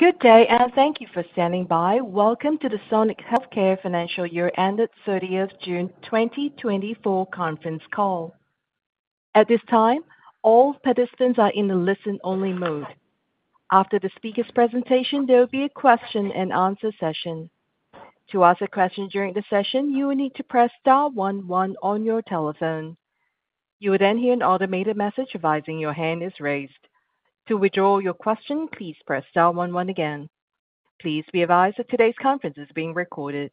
Good day, and thank you for standing by. Welcome to the Sonic Healthcare financial year ended 30th June, 2024 conference call. At this time, all participants are in a listen-only mode. After the speaker's presentation, there will be a question-and-answer session. To ask a question during the session, you will need to press dial one one on your telephone. You will then hear an automated message advising your hand is raised. To withdraw your question, please press dial one one again. Please be advised that today's conference is being recorded.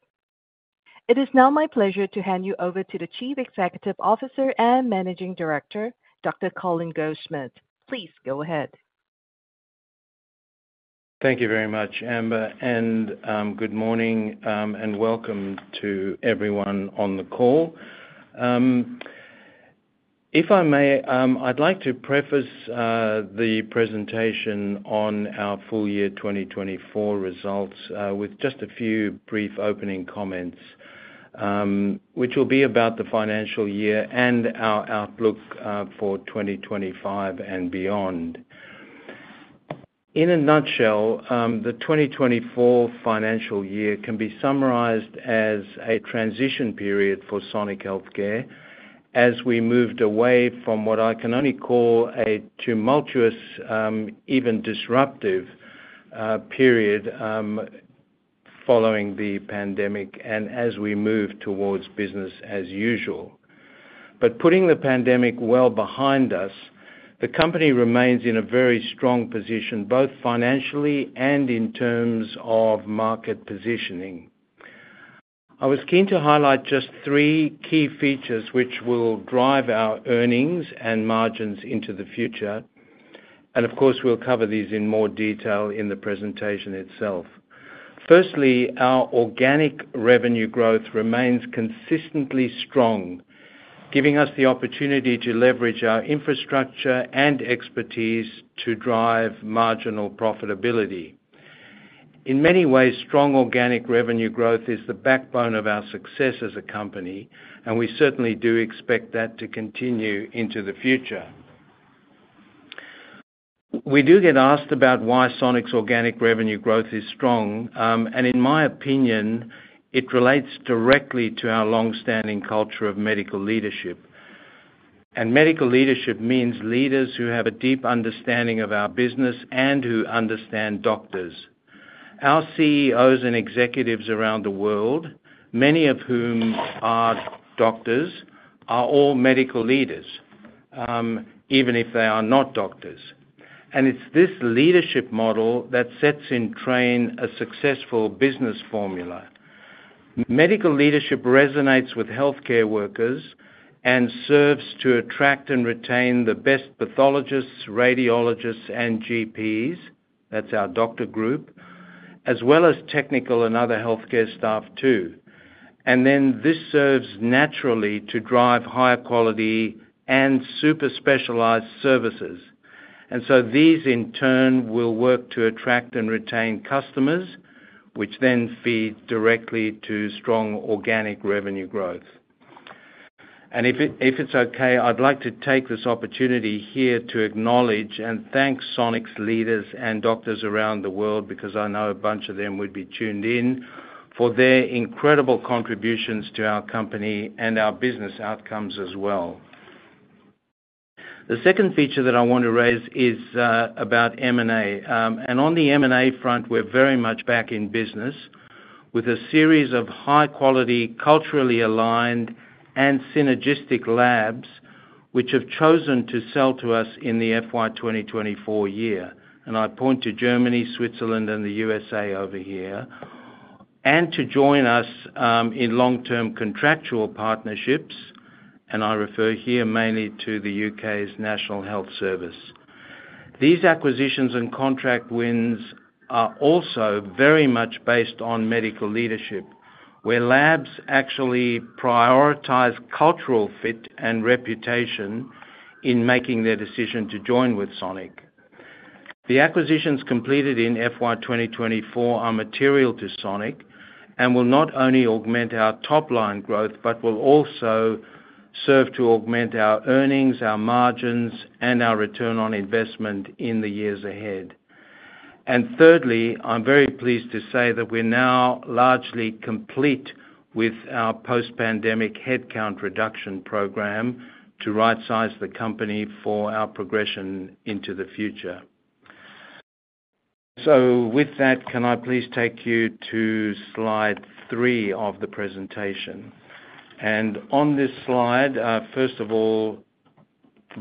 It is now my pleasure to hand you over to the Chief Executive Officer and Managing Director, Dr. Colin Goldschmidt. Please go ahead. Thank you very much, Amber, and good morning, and welcome to everyone on the call. If I may, I'd like to preface the presentation on our full year 2024 results with just a few brief opening comments, which will be about the financial year and our outlook for 2025 and beyond. In a nutshell, the 2024 financial year can be summarized as a transition period for Sonic Healthcare as we moved away from what I can only call a tumultuous, even disruptive, period following the pandemic and as we move towards business as usual. But putting the pandemic well behind us, the company remains in a very strong position, both financially and in terms of market positioning. I was keen to highlight just three key features which will drive our earnings and margins into the future, and of course, we'll cover these in more detail in the presentation itself. Firstly, our organic revenue growth remains consistently strong, giving us the opportunity to leverage our infrastructure and expertise to drive marginal profitability. In many ways, strong organic revenue growth is the backbone of our success as a company, and we certainly do expect that to continue into the future. We do get asked about why Sonic's organic revenue growth is strong. And in my opinion, it relates directly to our long-standing culture of medical leadership. And medical leadership means leaders who have a deep understanding of our business and who understand doctors. Our CEOs and executives around the world, many of whom are doctors, are all medical leaders, even if they are not doctors. And it's this leadership model that sets in train a successful business formula. Medical leadership resonates with healthcare workers and serves to attract and retain the best pathologists, radiologists, and GPs, that's our doctor group, as well as technical and other healthcare staff, too. And then this serves naturally to drive higher quality and super specialized services. And so these, in turn, will work to attract and retain customers, which then feed directly to strong organic revenue growth. And if it, if it's okay, I'd like to take this opportunity here to acknowledge and thank Sonic's leaders and doctors around the world, because I know a bunch of them would be tuned in, for their incredible contributions to our company and our business outcomes as well. The second feature that I want to raise is about M&A. And on the M&A front, we're very much back in business with a series of high quality, culturally aligned and synergistic labs, which have chosen to sell to us in the FY 2024 year. I point to Germany, Switzerland, and the USA over here. To join us in long-term contractual partnerships, and I refer here mainly to the U.K.'s National Health Service. These acquisitions and contract wins are also very much based on medical leadership, where labs actually prioritize cultural fit and reputation in making their decision to join with Sonic. The acquisitions completed in FY 2024 are material to Sonic and will not only augment our top line growth, but will also serve to augment our earnings, our margins, and our return on investment in the years ahead. And thirdly, I'm very pleased to say that we're now largely complete with our post-pandemic headcount reduction program to rightsize the company for our progression into the future. So with that, can I please take you to Slide 3 of the presentation? And on this slide, first of all.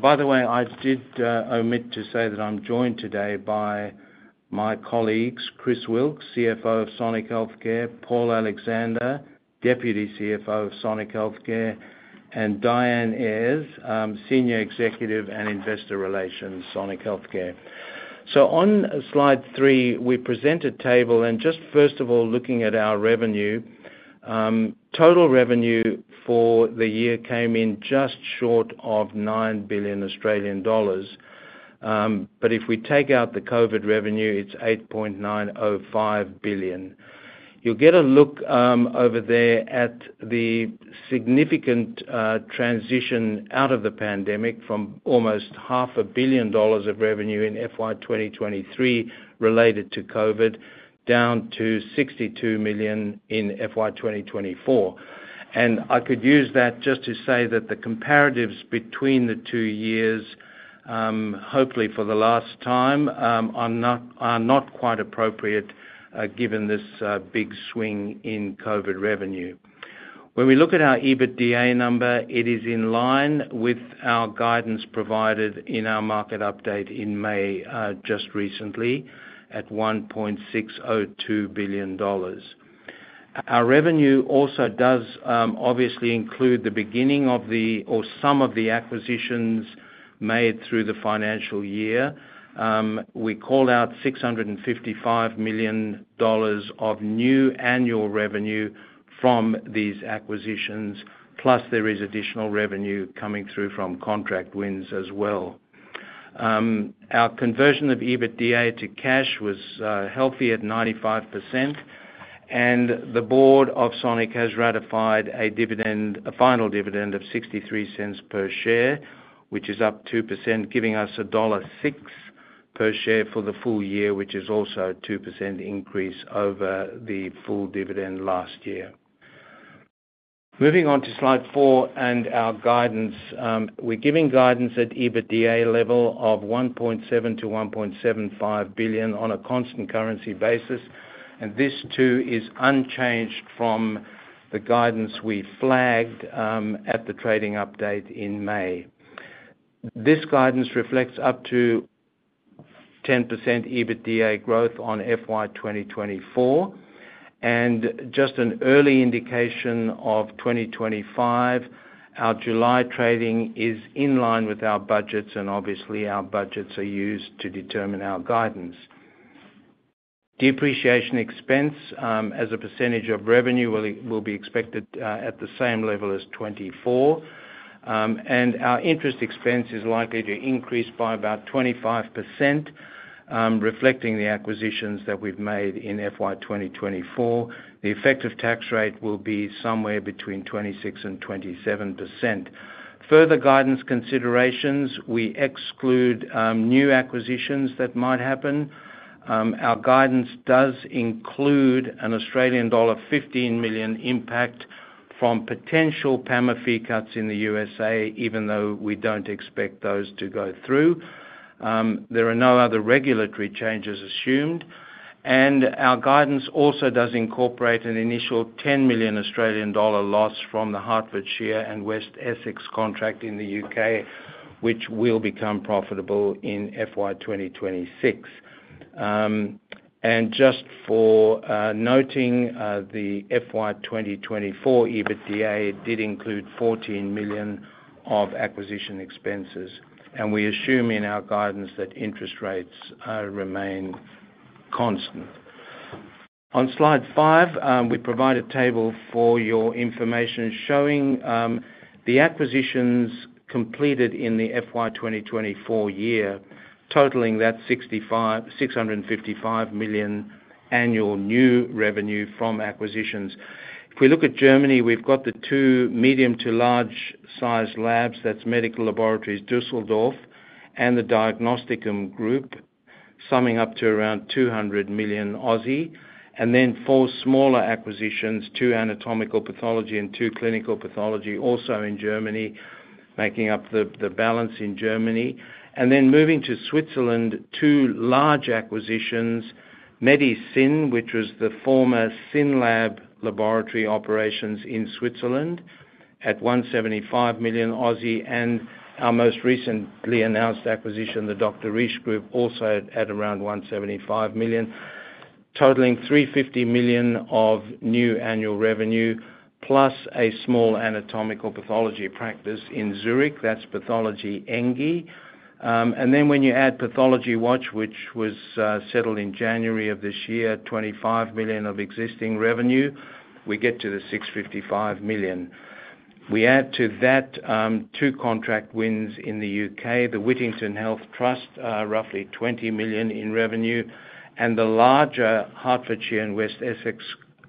By the way, I did omit to say that I'm joined today by my colleagues, Chris Wilks, CFO of Sonic Healthcare, Paul Alexander, Deputy CFO of Sonic Healthcare, and Diane Ayres, Senior Executive and Investor Relations, Sonic Healthcare. So on Slide 3, we present a table, and just first of all, looking at our revenue, total revenue for the year came in just short of 9 billion Australian dollars. But if we take out the COVID revenue, it's 8.905 billion. You'll get a look over there at the significant transition out of the pandemic from almost 500 million dollars of revenue in FY 2023 related to COVID, down to 62 million in FY 2024. And I could use that just to say that the comparatives between the two years, hopefully for the last time, are not quite appropriate, given this big swing in COVID revenue. When we look at our EBITDA number, it is in line with our guidance provided in our market update in May, just recently, at 1.602 billion dollars. Our revenue also does obviously include the beginning of, or some of, the acquisitions made through the financial year. We call out 655 million dollars of new annual revenue from these acquisitions, plus there is additional revenue coming through from contract wins as well. Our conversion of EBITDA to cash was healthy at 95%, and the board of Sonic has ratified a dividend, a final dividend of 0.63 per share, which is up 2%, giving us dollar 1.06 per share for the full year, which is also a 2% increase over the full dividend last year. Moving on to Slide 4 and our guidance. We're giving guidance at EBITDA level of 1.7 billion-1.75 billion on a constant currency basis, and this too is unchanged from the guidance we flagged at the trading update in May. This guidance reflects up to 10% EBITDA growth on FY 2024, and just an early indication of 2025, our July trading is in line with our budgets, and obviously, our budgets are used to determine our guidance. Depreciation expense, as a percentage of revenue will be expected at the same level as 2024, and our interest expense is likely to increase by about 25%, reflecting the acquisitions that we've made in FY 2024. The effective tax rate will be somewhere between 26% and 27%. Further guidance considerations, we exclude new acquisitions that might happen. Our guidance does include an Australian dollar 15 million impact from potential PAMA fee cuts in the USA, even though we don't expect those to go through. There are no other regulatory changes assumed, and our guidance also does incorporate an initial 10 million Australian dollar loss from the Hertfordshire and West Essex contract in the U.K., which will become profitable in FY 2026. And just for noting, the FY 2024 EBITDA, it did include 14 million of acquisition expenses, and we assume in our guidance that interest rates remain constant. On Slide 5, we provide a table for your information showing the acquisitions completed in the FY 2024 year, totaling 655 million annual new revenue from acquisitions. If we look at Germany, we've got the two medium to large-sized labs, that's Medical Laboratory Düsseldorf and the Diagnostikum Group, summing up to around 200 million, and then four smaller acquisitions, two anatomical pathology and two clinical pathology, also in Germany, making up the balance in Germany. Then moving to Switzerland, two large acquisitions, MediSyn, which was the former Synlab laboratory operations in Switzerland at 175 million, and our most recently announced acquisition, the Dr. Risch Group, also at around 175 million, totaling 350 million of new annual revenue, plus a small anatomical pathology practice in Zurich, that's Pathologie Enge, and then when you add PathologyWatch, which was settled in January of this year, 25 million of existing revenue, we get to the 655 million. We add to that, two contract wins in the U.K., the Whittington Health Trust, roughly 20 million in revenue, and the larger Hertfordshire and West Essex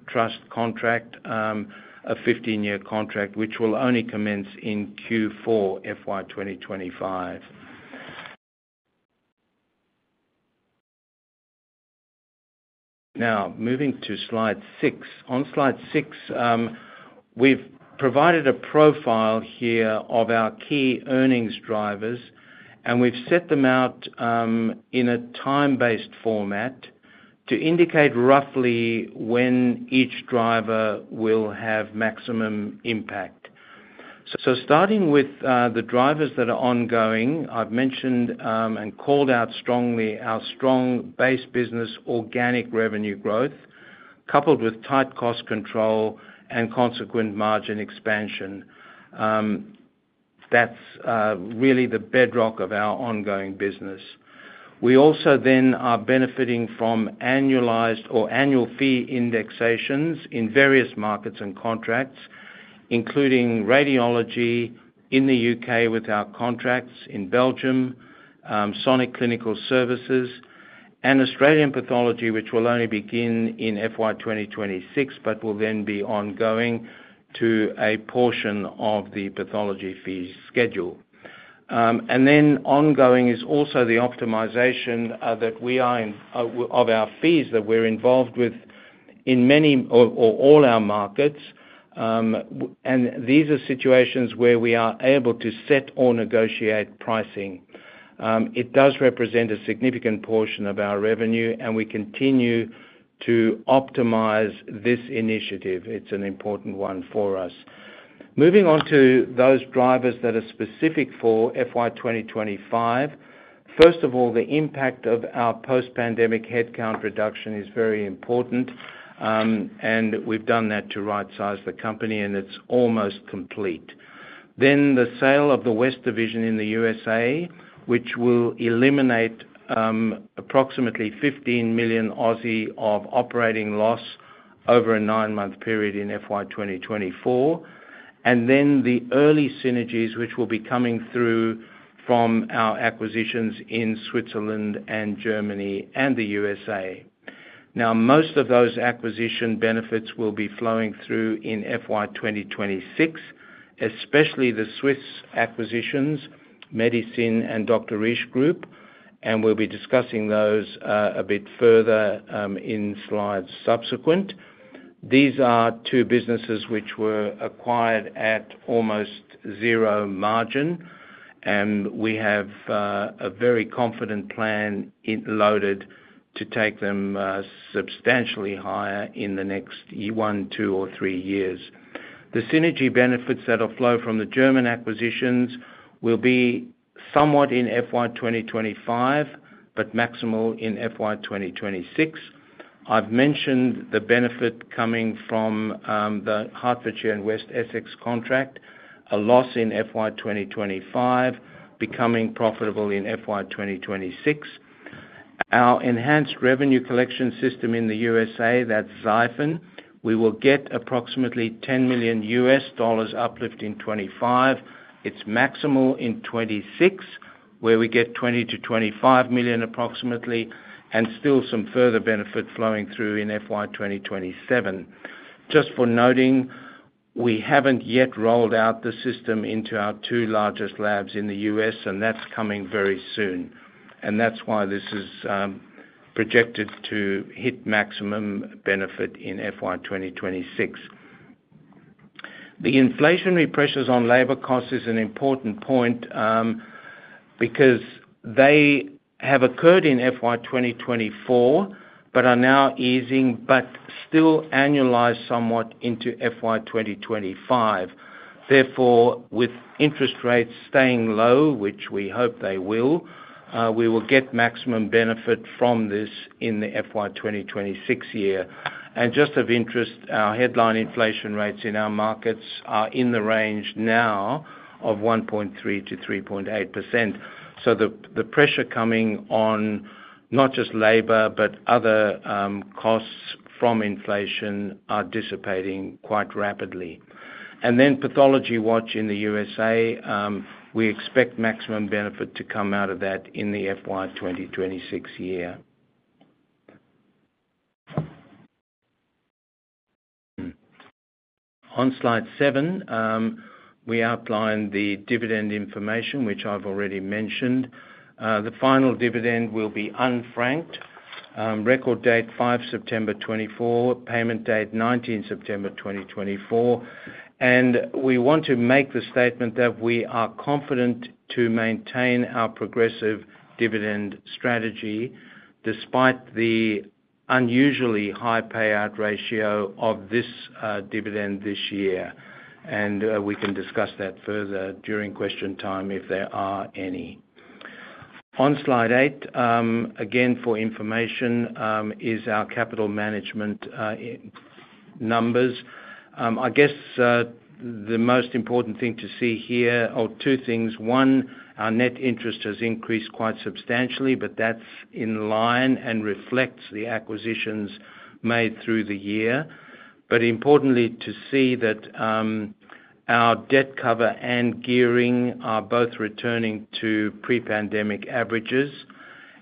Trust contract, a 15-year contract, which will only commence in Q4 FY 2025. Now, moving to Slide 6. On Slide 6, we've provided a profile here of our key earnings drivers, and we've set them out, in a time-based format to indicate roughly when each driver will have maximum impact. So starting with, the drivers that are ongoing, I've mentioned, and called out strongly our strong base business organic revenue growth, coupled with tight cost control and consequent margin expansion. That's really the bedrock of our ongoing business. We also then are benefiting from annualized or annual fee indexations in various markets and contracts. including radiology in the UK with our contracts in Belgium, Sonic Clinical Services, and Australian Pathology, which will only begin in FY 2026, but will then be ongoing to a portion of the pathology fee schedule. And then ongoing is also the optimization that we are in of our fees that we're involved with in many or all our markets. And these are situations where we are able to set or negotiate pricing. It does represent a significant portion of our revenue, and we continue to optimize this initiative. It's an important one for us. Moving on to those drivers that are specific for FY 2025. First of all, the impact of our post-pandemic headcount reduction is very important, and we've done that to rightsize the company, and it's almost complete. Then the sale of the West Division in the USA, which will eliminate approximately 15 million of operating loss over a nine-month period in FY 2024, and then the early synergies, which will be coming through from our acquisitions in Switzerland and Germany and the USA. Now, most of those acquisition benefits will be flowing through in FY 2026, especially the Swiss acquisitions, Medica and Dr. Risch Group, and we'll be discussing those a bit further in subsequent slides. These are two businesses which were acquired at almost zero margin, and we have a very confident plan in place to take them substantially higher in the next one, two, or three years. The synergy benefits that will flow from the German acquisitions will be somewhat in FY 2025, but maximal in FY 2026. I've mentioned the benefit coming from the Hertfordshire and West Essex contract, a loss in FY 2025, becoming profitable in FY 2026. Our enhanced revenue collection system in the USA, that's XIFIN, we will get approximately $10 million uplift in 2025. It's maximal in 2026, where we get $20 million-$25 million approximately, and still some further benefit flowing through in FY 2027. Just for noting, we haven't yet rolled out the system into our two largest labs in the U.S., and that's why this is projected to hit maximum benefit in FY 2026. The inflationary pressures on labor costs is an important point, because they have occurred in FY 2024, but are now easing, but still annualize somewhat into FY 2025. Therefore, with interest rates staying low, which we hope they will, we will get maximum benefit from this in the FY 2026 year. And just of interest, our headline inflation rates in our markets are in the range now of 1.3%-3.8%. So the, the pressure coming on, not just labor, but other, costs from inflation, are dissipating quite rapidly. And then PathologyWatch in the USA, we expect maximum benefit to come out of that in the FY 2026 year. On Slide 7, we outlined the dividend information, which I've already mentioned. The final dividend will be unfranked. Record date, 5 September 2024, payment date, 19th September 2024. And we want to make the statement that we are confident to maintain our progressive dividend strategy, despite the unusually high payout ratio of this dividend this year. And we can discuss that further during question time, if there are any. On Slide 8, again, for information, is our capital management numbers. I guess the most important thing to see here or two things. One, our net interest has increased quite substantially, but that's in line and reflects the acquisitions made through the year. But importantly, to see that our debt cover and gearing are both returning to pre-pandemic averages,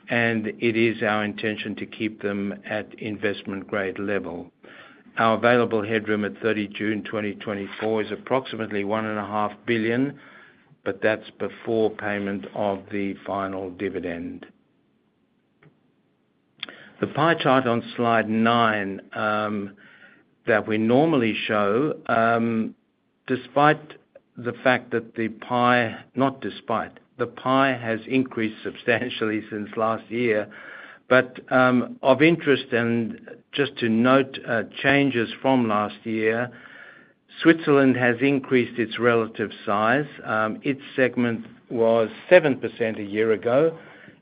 and it is our intention to keep them at investment-grade level. Our available headroom at 30 June 2024 is approximately 1.5 billion, but that's before payment of the final dividend. The pie chart on Slide 9, that we normally show, despite the fact that the pie. Not despite, the pie has increased substantially since last year. But, of interest, and just to note, changes from last year, Switzerland has increased its relative size. Its segment was 7% a year ago.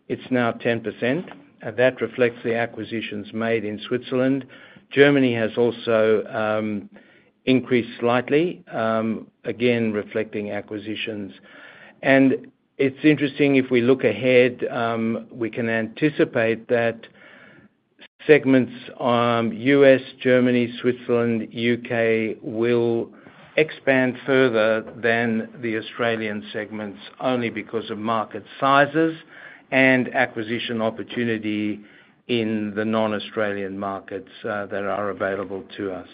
It's now 10%, and that reflects the acquisitions made in Switzerland. Germany has also increased slightly, again, reflecting acquisitions. And it's interesting, if we look ahead, we can anticipate that segments, U.S., Germany, Switzerland, U.K., will expand further than the Australian segments, only because of market sizes and acquisition opportunity in the non-Australian markets, that are available to us.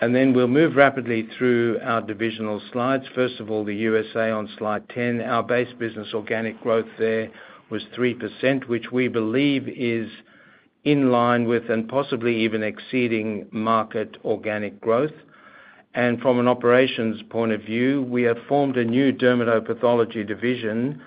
And then we'll move rapidly through our divisional slides. First of all, the USA on Slide 10, our base business organic growth there was 3%, which we believe is in line with, and possibly even exceeding market organic growth. And from an operations point of view, we have formed a new dermatopathology division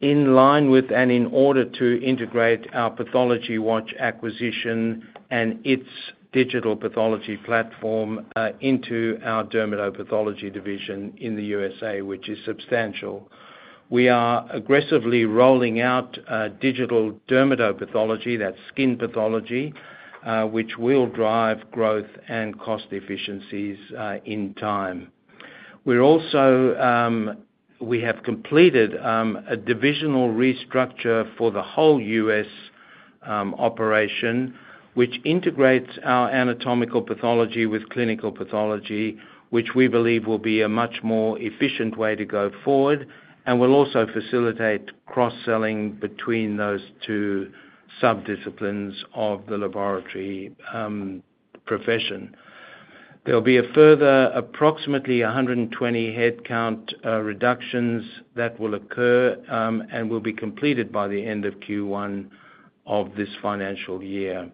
in line with, and in order to integrate our PathologyWatch acquisition and its digital pathology platform into our dermatopathology division in the USA, which is substantial. We are aggressively rolling out digital dermatopathology, that's skin pathology, which will drive growth and cost efficiencies in time. We're also we have completed a divisional restructure for the whole U.S. operation, which integrates our anatomical pathology with clinical pathology, which we believe will be a much more efficient way to go forward, and will also facilitate cross-selling between those two sub-disciplines of the laboratory profession. There'll be a further approximately 120 headcount reductions that will occur and will be completed by the end of Q1 of this financial year.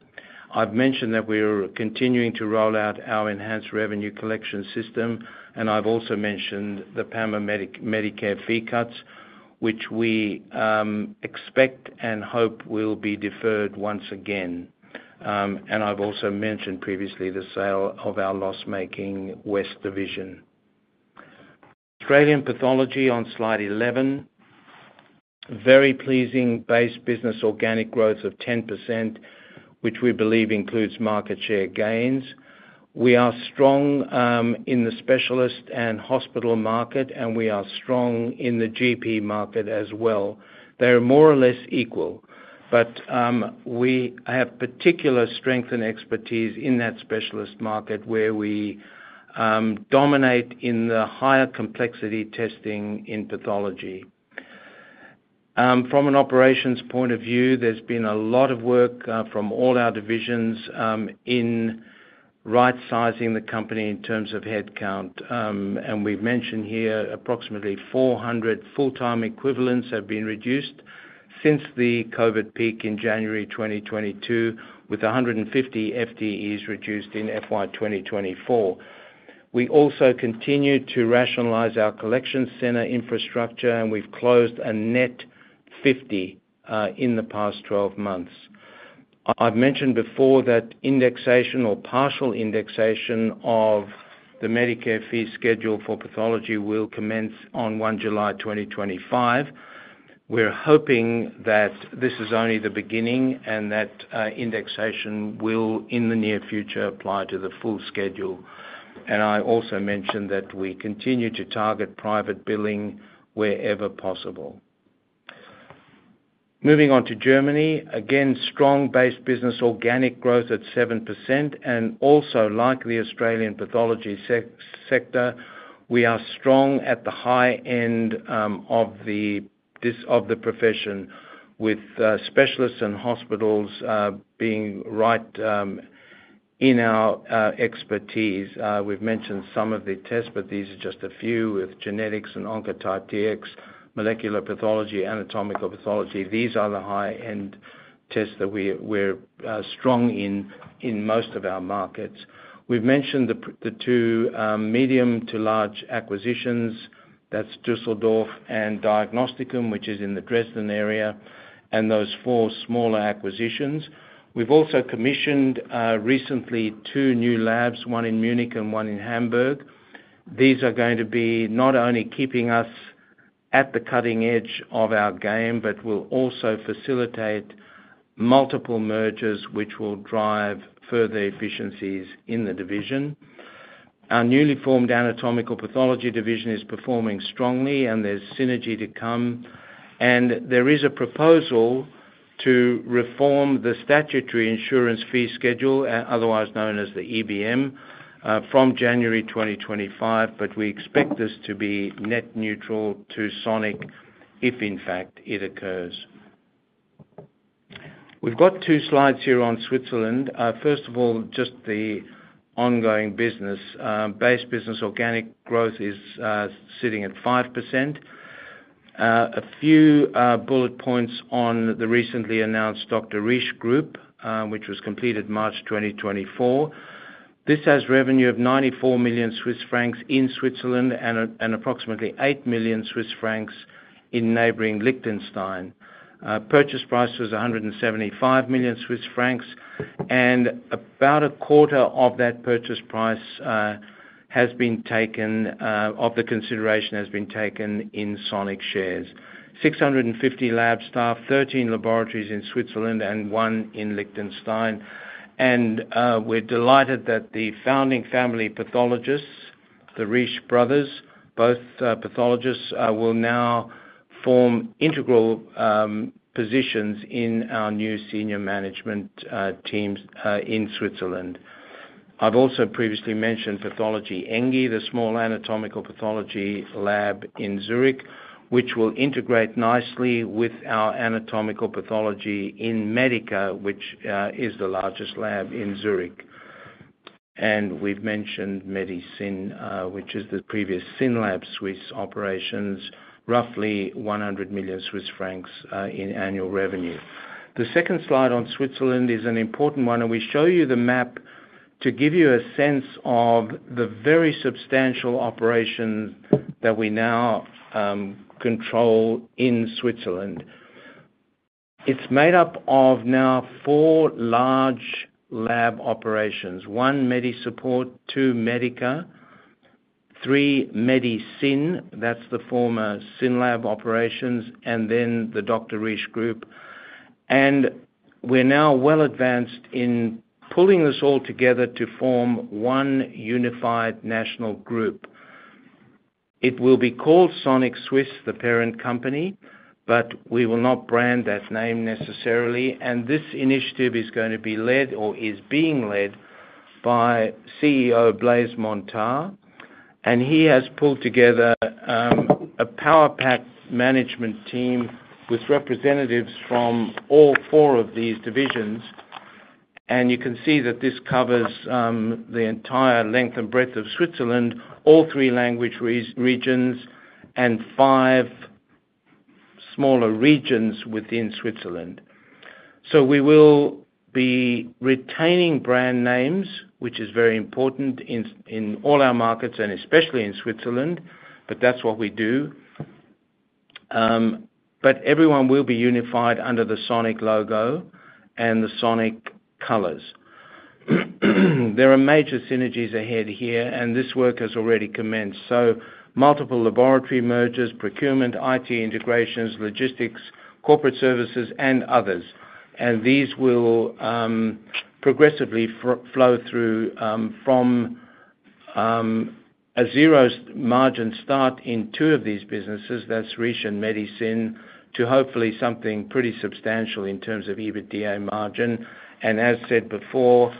I've mentioned that we're continuing to roll out our enhanced revenue collection system, and I've also mentioned the PAMA Medicare fee cuts, which we expect and hope will be deferred once again. And I've also mentioned previously the sale of our loss-making West Division. Australian pathology on Slide 11. Very pleasing base business, organic growth of 10%, which we believe includes market share gains. We are strong in the specialist and hospital market, and we are strong in the GP market as well. They are more or less equal, but we have particular strength and expertise in that specialist market, where we dominate in the higher complexity testing in pathology. From an operations point of view, there's been a lot of work from all our divisions in right-sizing the company in terms of headcount. And we've mentioned here approximately 400 full-time equivalents have been reduced since the COVID peak in January 2022, with 150 FTEs reduced in FY 2024. We also continued to rationalize our collection center infrastructure, and we've closed a net 50 in the past 12 months. I've mentioned before that indexation or partial indexation of the Medicare fee schedule for pathology will commence on 1 July 2025. We're hoping that this is only the beginning, and that indexation will, in the near future, apply to the full schedule. And I also mentioned that we continue to target private billing wherever possible. Moving on to Germany. Again, strong base business, organic growth at 7%, and also, like the Australian pathology sector, we are strong at the high end of this, of the profession with specialists and hospitals being right in our expertise. We've mentioned some of the tests, but these are just a few with genetics and Oncotype DX, molecular pathology, anatomical pathology. These are the high-end tests that we're strong in, in most of our markets. We've mentioned the two medium to large acquisitions, that's Düsseldorf and Diagnostikum, which is in the Dresden area, and those four smaller acquisitions. We've also commissioned recently two new labs, one in Munich and one in Hamburg. These are going to be not only keeping us at the cutting edge of our game, but will also facilitate multiple mergers, which will drive further efficiencies in the division. Our newly formed anatomical pathology division is performing strongly and there's synergy to come, and there is a proposal to reform the statutory insurance fee schedule, otherwise known as the EBM, from January 2025, but we expect this to be net neutral to Sonic, if in fact it occurs. We've got two Slides here on Switzerland. First of all, just the ongoing business. Base business, organic growth is sitting at 5%. A few bullet points on the recently announced Dr. Risch Group, which was completed March 2024. This has revenue of 94 million Swiss francs in Switzerland and approximately 8 million Swiss francs in neighboring Liechtenstein. Purchase price was 175 million Swiss francs, and about a quarter of that purchase price has been taken of the consideration in Sonic shares. 650 lab staff, 13 laboratories in Switzerland, and one in Liechtenstein. And we're delighted that the founding family pathologists The Risch brothers, both pathologists, will now form integral positions in our new senior management teams in Switzerland. I've also previously mentioned Pathologie Enge, the small anatomical pathology lab in Zurich, which will integrate nicely with our anatomical pathology in Medica, which is the largest lab in Zurich. And we've mentioned MediSyn, which is the previous Synlab Swiss operations, roughly 100 million Swiss francs in annual revenue. The second Slide on Switzerland is an important one, and we show you the map to give you a sense of the very substantial operations that we now control in Switzerland. It's made up of now four large lab operations. One, MediSupport, two, Medica, three, MediSyn, that's the former Synlab operations, and then the Dr. Risch Group. And we're now well advanced in pulling this all together to form one unified national group. It will be called Sonic Swiss, the parent company, but we will not brand that name necessarily. And this initiative is going to be led or is being led by CEO Blaise Montandon, and he has pulled together a power-packed management team with representatives from all four of these divisions. You can see that this covers the entire length and breadth of Switzerland, all three language regions, and five smaller regions within Switzerland. We will be retaining brand names, which is very important in all our markets, and especially in Switzerland, but that's what we do. Everyone will be unified under the Sonic logo and the Sonic colors. There are major synergies ahead here, and this work has already commenced, so multiple laboratory mergers, procurement, IT integrations, logistics, corporate services, and others. These will progressively flow through from a zero margin start in two of these businesses, that's Risch and MediSyn, to hopefully something pretty substantial in terms of EBITDA margin. As said before,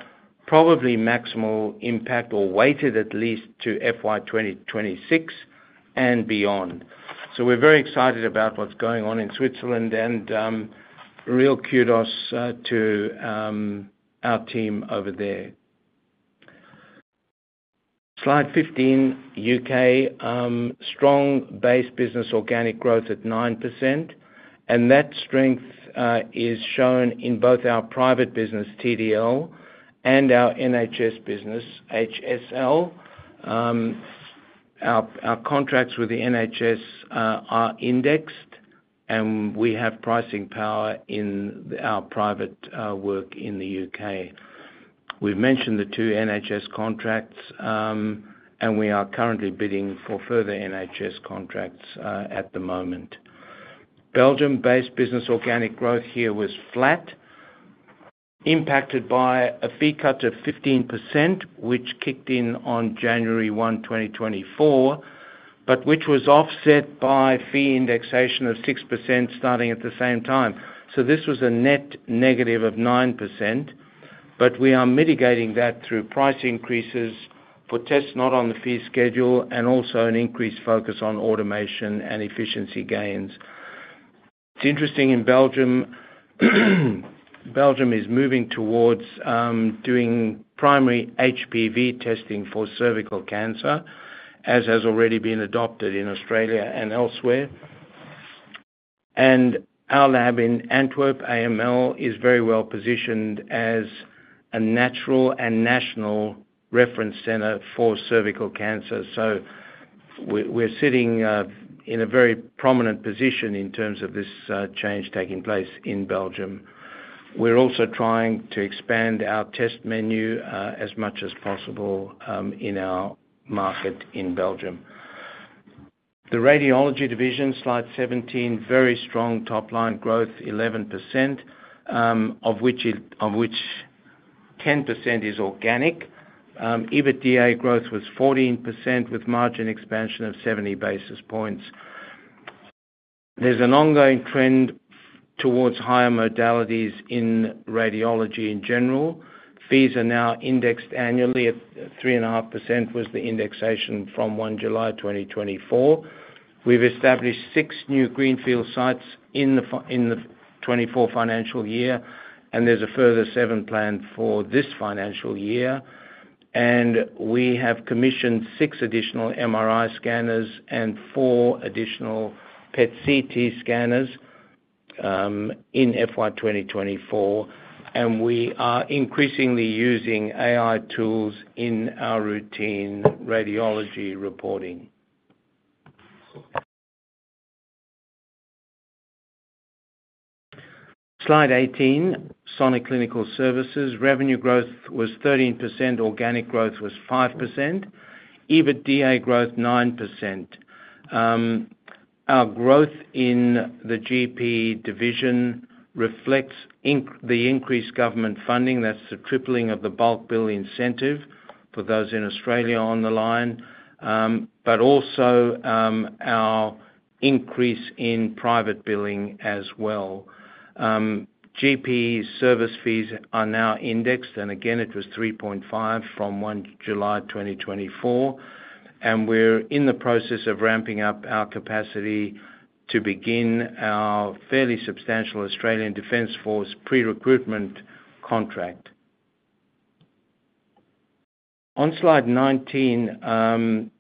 probably maximal impact or weighted at least to FY 2026 and beyond. We're very excited about what's going on in Switzerland and real kudos to our team over there. Slide 15, U.K. Strong base business, organic growth at 9%, and that strength is shown in both our private business, TDL, and our NHS business, HSL. Our contracts with the NHS are indexed, and we have pricing power in our private work in the U.K. We've mentioned the two NHS contracts, and we are currently bidding for further NHS contracts at the moment. Belgium-based business, organic growth here was flat, impacted by a fee cut of 15%, which kicked in on January 1, 2024, but which was offset by fee indexation of 6% starting at the same time. So this was a net negative of 9%, but we are mitigating that through price increases for tests not on the fee schedule, and also an increased focus on automation and efficiency gains. It's interesting in Belgium. Belgium is moving towards doing primary HPV testing for cervical cancer, as has already been adopted in Australia and elsewhere. And our lab in Antwerp, AML, is very well positioned as a natural and national reference center for cervical cancer. So we're sitting in a very prominent position in terms of this change taking place in Belgium. We're also trying to expand our test menu as much as possible in our market in Belgium. The radiology division, Slide 17, very strong top-line growth, 11%, of which 10% is organic. EBITDA growth was 14%, with margin expansion of 70 basis points. There's an ongoing trend towards higher modalities in radiology in general. Fees are now indexed annually at 3.5% was the indexation from 1 July 2024. We've established six new greenfield sites in the 2024 financial year, and there's a further seven planned for this financial year, and we have commissioned six additional MRI scanners and four additional PET/CT scanners in FY 2024, and we are increasingly using AI tools in our routine radiology reporting. Slide 18, Sonic Clinical Services. Revenue growth was 13%, organic growth was 5%, EBITDA growth, 9%. Our growth in the GP division reflects the increased government funding, that's the tripling of the bulk bill incentive for those in Australia on the line, but also, our increase in private billing as well. GP service fees are now indexed, and again, it was 3.5% from 1 July 2024, and we're in the process of ramping up our capacity to begin our fairly substantial Australian Defense Force pre-recruitment contract. On Slide 19,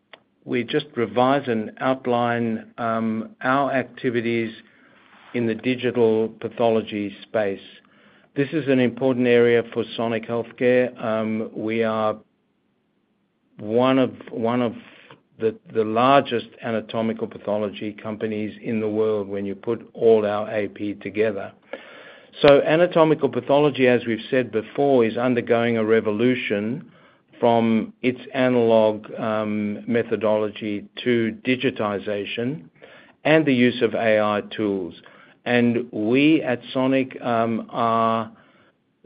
we just revise and outline our activities in the digital pathology space. This is an important area for Sonic Healthcare. We are one of the largest anatomical pathology companies in the world when you put all our AP together. So anatomical pathology, as we've said before, is undergoing a revolution from its analog methodology to digitization and the use of AI tools. And we, at Sonic, are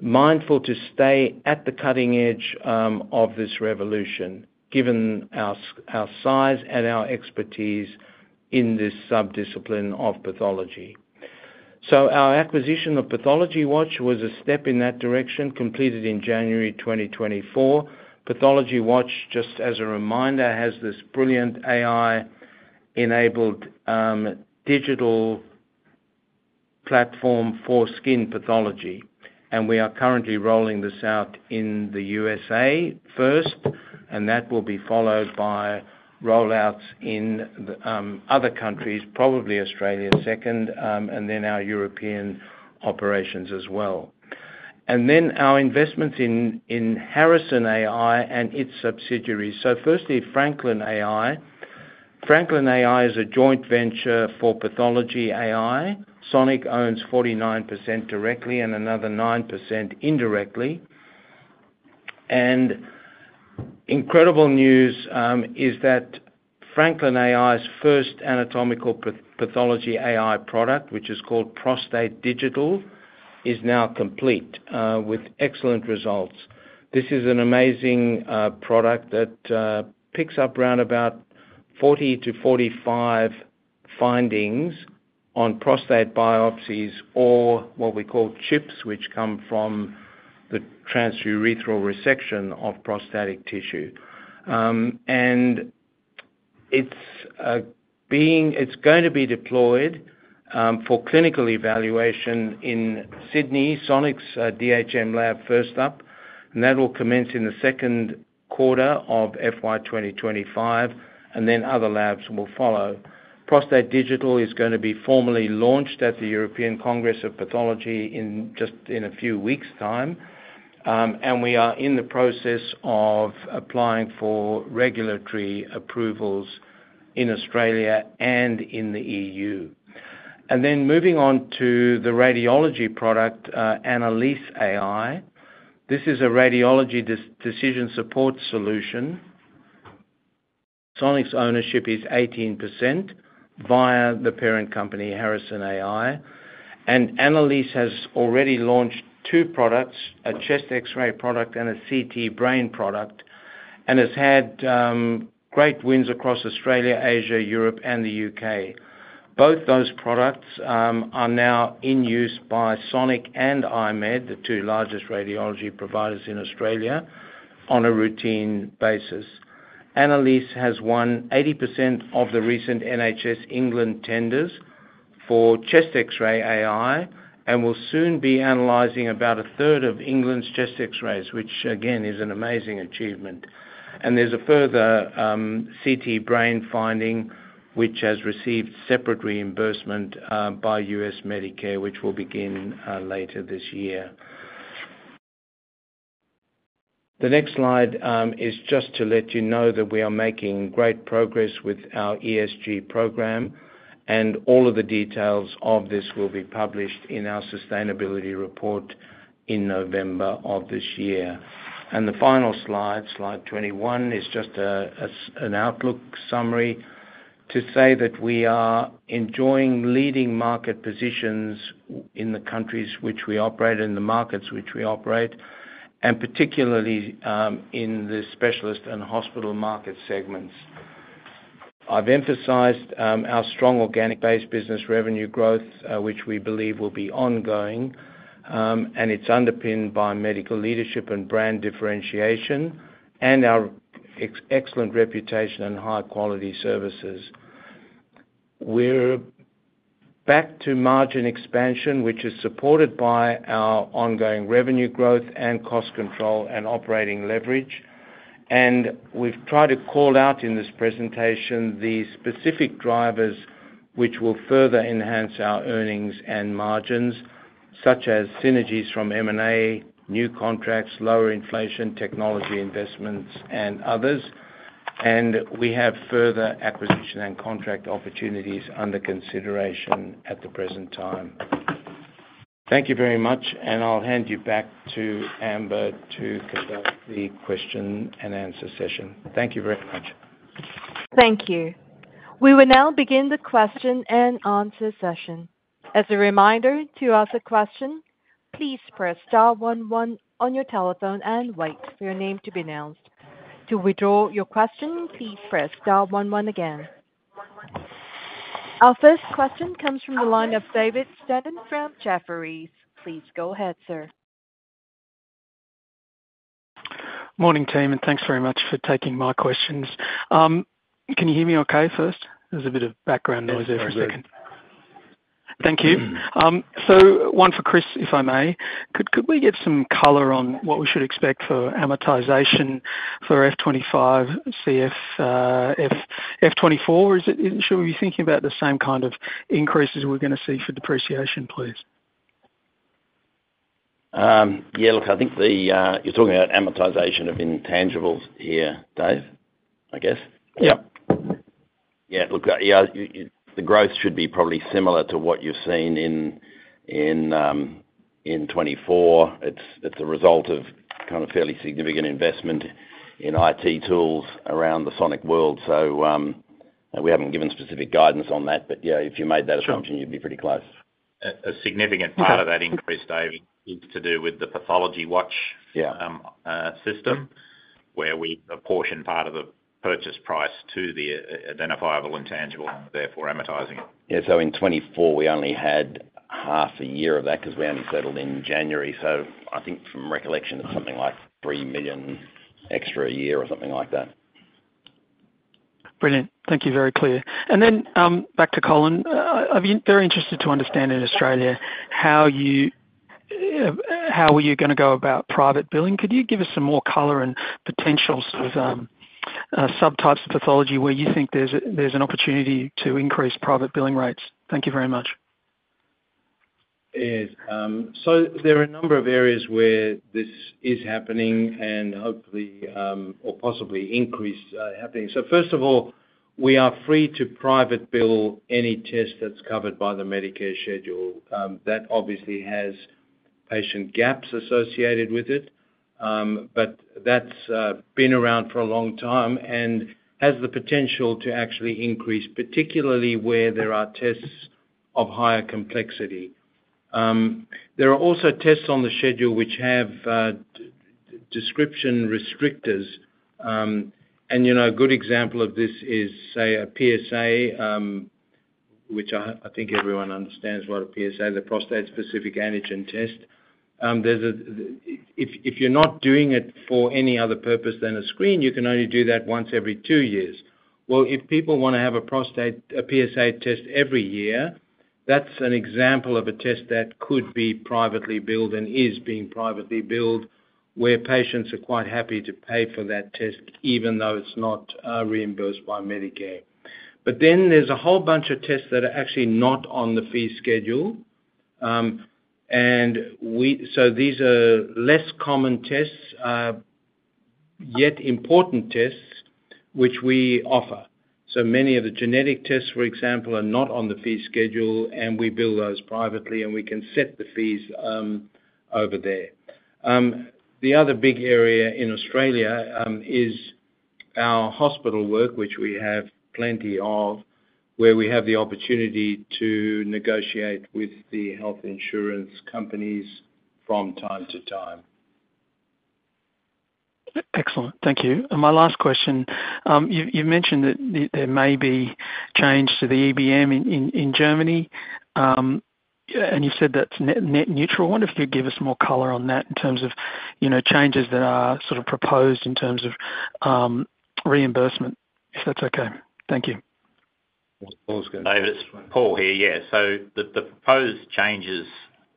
mindful to stay at the cutting edge, of this revolution, given our size and our expertise in this subdiscipline of pathology. So our acquisition of PathologyWatch was a step in that direction, completed in January 2024. PathologyWatch, just as a reminder, has this brilliant AI-enabled, digital platform for skin pathology, and we are currently rolling this out in the USA first, and that will be followed by rollouts in the, other countries, probably Australia second, and then our European operations as well. And then our investments in Harrison.ai and its subsidiaries. So firstly, Franklin.ai. Franklin.ai is a joint venture for pathology AI. Sonic owns 49% directly and another 9% indirectly. Incredible news is that Franklin.ai's first anatomical pathology AI product, which is called Prostate Digital, is now complete with excellent results. This is an amazing product that picks up round about 40-45 findings on prostate biopsies or what we call chips, which come from the transurethral resection of prostatic tissue. It's going to be deployed for clinical evaluation in Sydney, Sonic's DHM lab, first up, and that will commence in the second quarter of FY 2025, and then other labs will follow. Prostate Digital is gonna be formally launched at the European Congress of Pathology in just a few weeks' time, and we are in the process of applying for regulatory approvals in Australia and in the EU. Then moving on to the radiology product, Annalise.ai. This is a radiology decision support solution. Sonic's ownership is 18% via the parent company, Harrison.ai, and Annalise has already launched two products, a chest X-ray product and a CT brain product, and has had great wins across Australia, Asia, Europe, and the UK. Both those products are now in use by Sonic and I-MED, the two largest radiology providers in Australia, on a routine basis. Annalise has won 80% of the recent NHS England tenders for chest X-ray AI, and will soon be analyzing about a third of England's chest X-rays, which again, is an amazing achievement. And there's a further CT brain finding, which has received separate reimbursement by U.S. Medicare, which will begin later this year. The next Slide is just to let you know that we are making great progress with our ESG program, and all of the details of this will be published in our sustainability report in November of this year. And the final Slide, Slide 21, is just an outlook summary to say that we are enjoying leading market positions in the countries which we operate, in the markets which we operate, and particularly in the specialist and hospital market segments. I've emphasized our strong organic base business revenue growth, which we believe will be ongoing, and it's underpinned by medical leadership and brand differentiation, and our excellent reputation and high-quality services. We're back to margin expansion, which is supported by our ongoing revenue growth and cost control and operating leverage. We've tried to call out in this presentation the specific drivers which will further enhance our earnings and margins, such as synergies from M&A, new contracts, lower inflation, technology investments, and others. We have further acquisition and contract opportunities under consideration at the present time... Thank you very much, and I'll hand you back to Amber to conduct the question and answer session. Thank you very much. Thank you. We will now begin the question and answer session. As a reminder, to ask a question, please press star one one on your telephone and wait for your name to be announced. To withdraw your question, please press star one one again. Our first question comes from the line of David Stanton from Jefferies. Please go ahead, sir. Morning, team, and thanks very much for taking my questions. Can you hear me okay first? There's a bit of background noise every second. Yes, very good. Thank you. So one for Chris, if I may. Could we get some color on what we should expect for amortization for FY 2025, FY 2024? Is it? Should we be thinking about the same kind of increases we're gonna see for depreciation, please? Yeah, look, I think you're talking about amortization of intangibles here, Dave, I guess. Yep. Yeah. Look, yeah, the growth should be probably similar to what you've seen in 2024. It's a result of kind of fairly significant investment in IT tools around the Sonic world. So, we haven't given specific guidance on that, but yeah, if you made that assumption. Sure. You'd be pretty close. A significant part of that increase, Dave, is to do with the PathologyWatch. Yeah. System, where we apportion part of the purchase price to the identifiable intangible, therefore amortizing it. Yeah, so in 2024, we only had half a year of that because we only settled in January. So I think from recollection, it's something like 3 million extra a year or something like that. Brilliant. Thank you, very clear. And then, back to Colin. I've been very interested to understand in Australia, how are you gonna go about private billing? Could you give us some more color and potential sort of, subtypes of pathology where you think there's an opportunity to increase private billing rates? Thank you very much. Yes. So there are a number of areas where this is happening and hopefully or possibly increasing. So first of all, we are free to private bill any test that's covered by the Medicare schedule. That obviously has patient gaps associated with it, but that's been around for a long time and has the potential to actually increase, particularly where there are tests of higher complexity. There are also tests on the schedule which have description restrictors. And, you know, a good example of this is, say, a PSA, which I think everyone understands what a PSA, the prostate-specific antigen test. There's a, if you're not doing it for any other purpose than a screen, you can only do that once every two years. If people wanna have a prostate, a PSA test every year, that's an example of a test that could be privately billed and is being privately billed, where patients are quite happy to pay for that test, even though it's not reimbursed by Medicare. But then there's a whole bunch of tests that are actually not on the fee schedule, and these are less common tests, yet important tests, which we offer. So many of the genetic tests, for example, are not on the fee schedule, and we bill those privately, and we can set the fees over there. The other big area in Australia is our hospital work, which we have plenty of, where we have the opportunity to negotiate with the health insurance companies from time to time. Excellent. Thank you. And my last question, you mentioned that there may be change to the EBM in Germany, and you said that's net neutral. I wonder if you'd give us more color on that in terms of, you know, changes that are sort of proposed in terms of, reimbursement, if that's okay. Thank you. Paul's gonna. David, Paul here. Yeah. So the proposed changes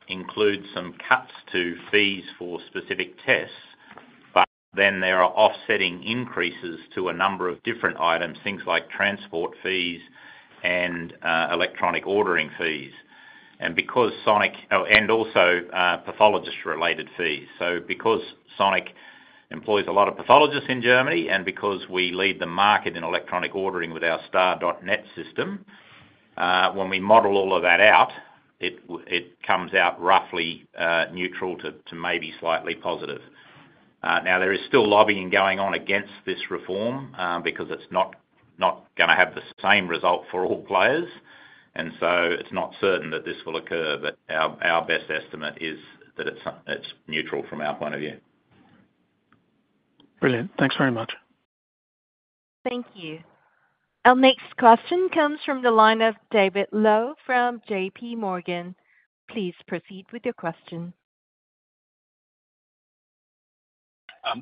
include some cuts to fees for specific tests, but then there are offsetting increases to a number of different items, things like transport fees and electronic ordering fees. And because Sonic and also pathologist-related fees. So because Sonic employs a lot of pathologists in Germany, and because we lead the market in electronic ordering with our Star.net system, when we model all of that out, it comes out roughly neutral to maybe slightly positive. Now, there is still lobbying going on against this reform, because it's not gonna have the same result for all players, and so it's not certain that this will occur, but our best estimate is that it's neutral from our point of view. Brilliant. Thanks very much. Thank you. Our next question comes from the line of David Low from JPMorgan. Please proceed with your question.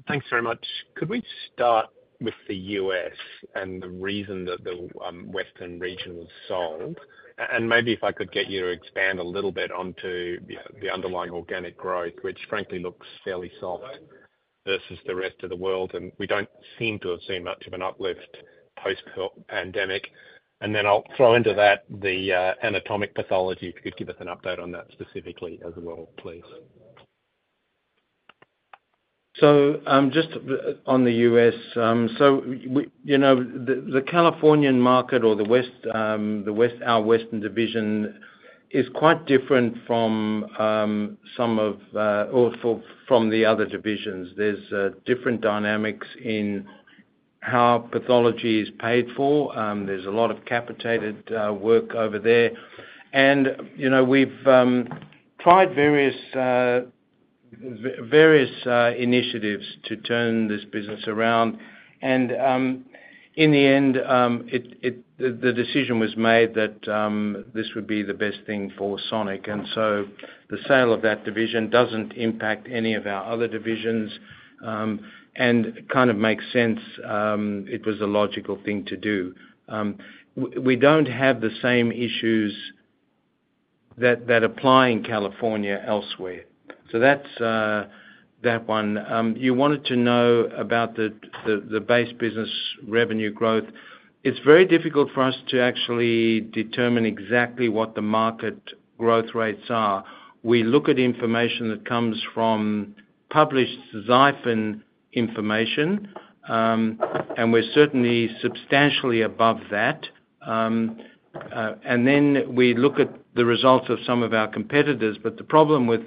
Thanks very much. Could we start with the U.S. and the reason that the Western region was sold? And maybe if I could get you to expand a little bit onto the underlying organic growth, which frankly looks fairly soft versus the rest of the world, and we don't seem to have seen much of an uplift post-pandemic. And then I'll throw into that the anatomical pathology, if you could give us an update on that specifically as well, please. Just on the U.S., we, you know, the Californian market or the west, our western division is quite different from some or from the other divisions. There's different dynamics in how pathology is paid for. There's a lot of capitated work over there. And, you know, we've tried various initiatives to turn this business around. And, in the end, the decision was made that this would be the best thing for Sonic. And so the sale of that division doesn't impact any of our other divisions, and kind of makes sense, it was a logical thing to do. We don't have the same issues that apply in California elsewhere. So that's that one. You wanted to know about the base business revenue growth. It's very difficult for us to actually determine exactly what the market growth rates are. We look at information that comes from published XIFIN information, and we're certainly substantially above that. And then we look at the results of some of our competitors. But the problem with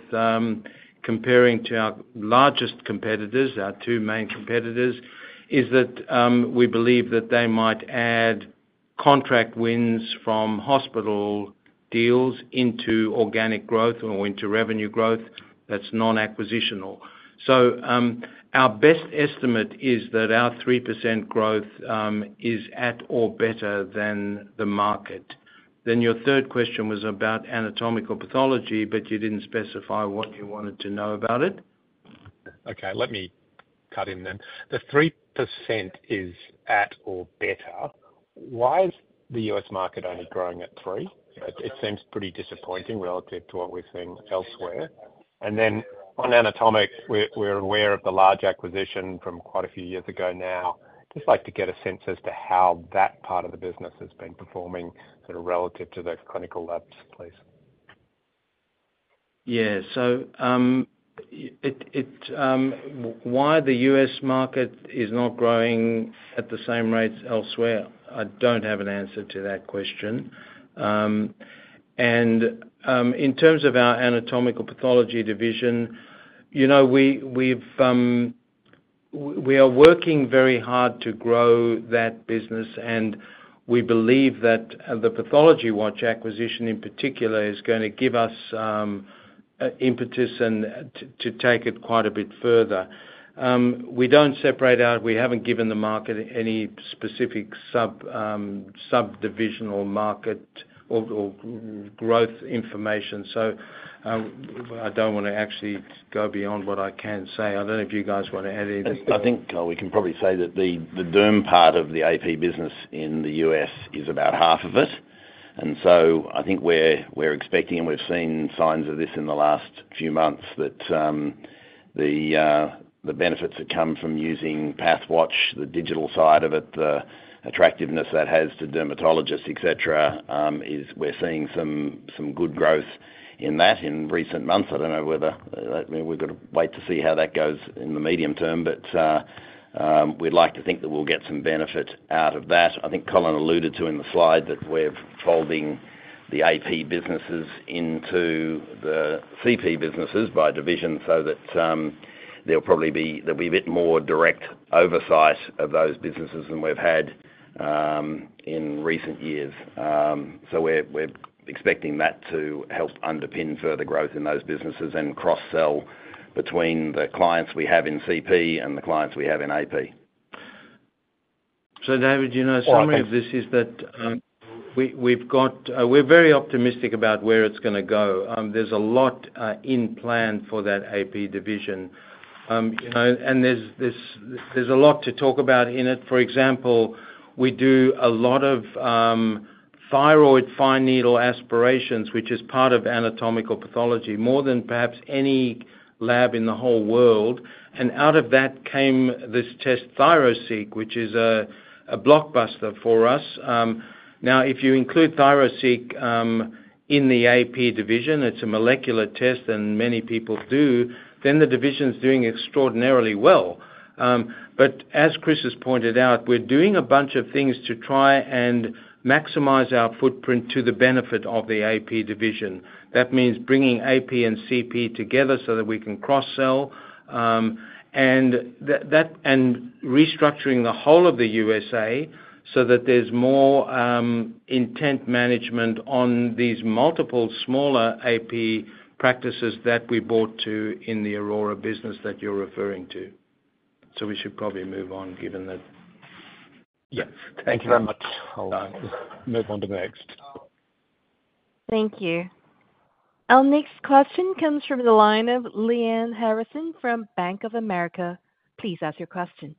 comparing to our largest competitors, our two main competitors, is that we believe that they might add contract wins from hospital deals into organic growth or into revenue growth that's non-acquisitional. So, our best estimate is that our 3% growth is at or better than the market. Then your third question was about anatomical pathology, but you didn't specify what you wanted to know about it. Okay, let me cut in then. The 3% is at or better. Why is the U.S. market only growing at 3%? It seems pretty disappointing relative to what we're seeing elsewhere. And then on anatomic, we're aware of the large acquisition from quite a few years ago now. Just like to get a sense as to how that part of the business has been performing, sort of relative to the clinical labs, please. Yeah. So, why the U.S. market is not growing at the same rates elsewhere? I don't have an answer to that question. And, in terms of our anatomical pathology division, you know, we are working very hard to grow that business, and we believe that the PathologyWatch acquisition in particular is gonna give us impetus to take it quite a bit further. We don't separate out. We haven't given the market any specific sub-divisional market or growth information, so I don't wanna actually go beyond what I can say. I don't know if you guys want to add anything. I think we can probably say that the derm part of the AP business in the U.S. is about half of it. And so I think we're expecting, and we've seen signs of this in the last few months, that the benefits that come from using PathologyWatch, the digital side of it, the attractiveness that has to dermatologists, et cetera, is we're seeing some good growth in that in recent months. I don't know whether, I mean, we've got to wait to see how that goes in the medium term, but we'd like to think that we'll get some benefit out of that. I think Colin alluded to in the slide that we're folding the AP businesses into the CP businesses by division, so that, there'll be a bit more direct oversight of those businesses than we've had, in recent years. So we're expecting that to help underpin further growth in those businesses and cross-sell between the clients we have in CP and the clients we have in AP. So, David, you know, summary of this is that we've got, we're very optimistic about where it's gonna go. There's a lot in plan for that AP division. You know, and there's a lot to talk about in it. For example, we do a lot of thyroid fine needle aspirations, which is part of anatomical pathology, more than perhaps any lab in the whole world. And out of that came this test, ThyroSeq, which is a blockbuster for us. Now, if you include ThyroSeq in the AP division, it's a molecular test, and many people do, then the division's doing extraordinarily well. But as Chris has pointed out, we're doing a bunch of things to try and maximize our footprint to the benefit of the AP division. That means bringing AP and CP together so that we can cross-sell, and that, and restructuring the whole of the USA, so that there's more intense management on these multiple smaller AP practices that we bought into the Aurora business that you're referring to. So we should probably move on, given that. Yeah. Thank you very much. I'll move on to the next. Thank you. Our next question comes from the line of Liane Harrison from Bank of America. Please ask your question.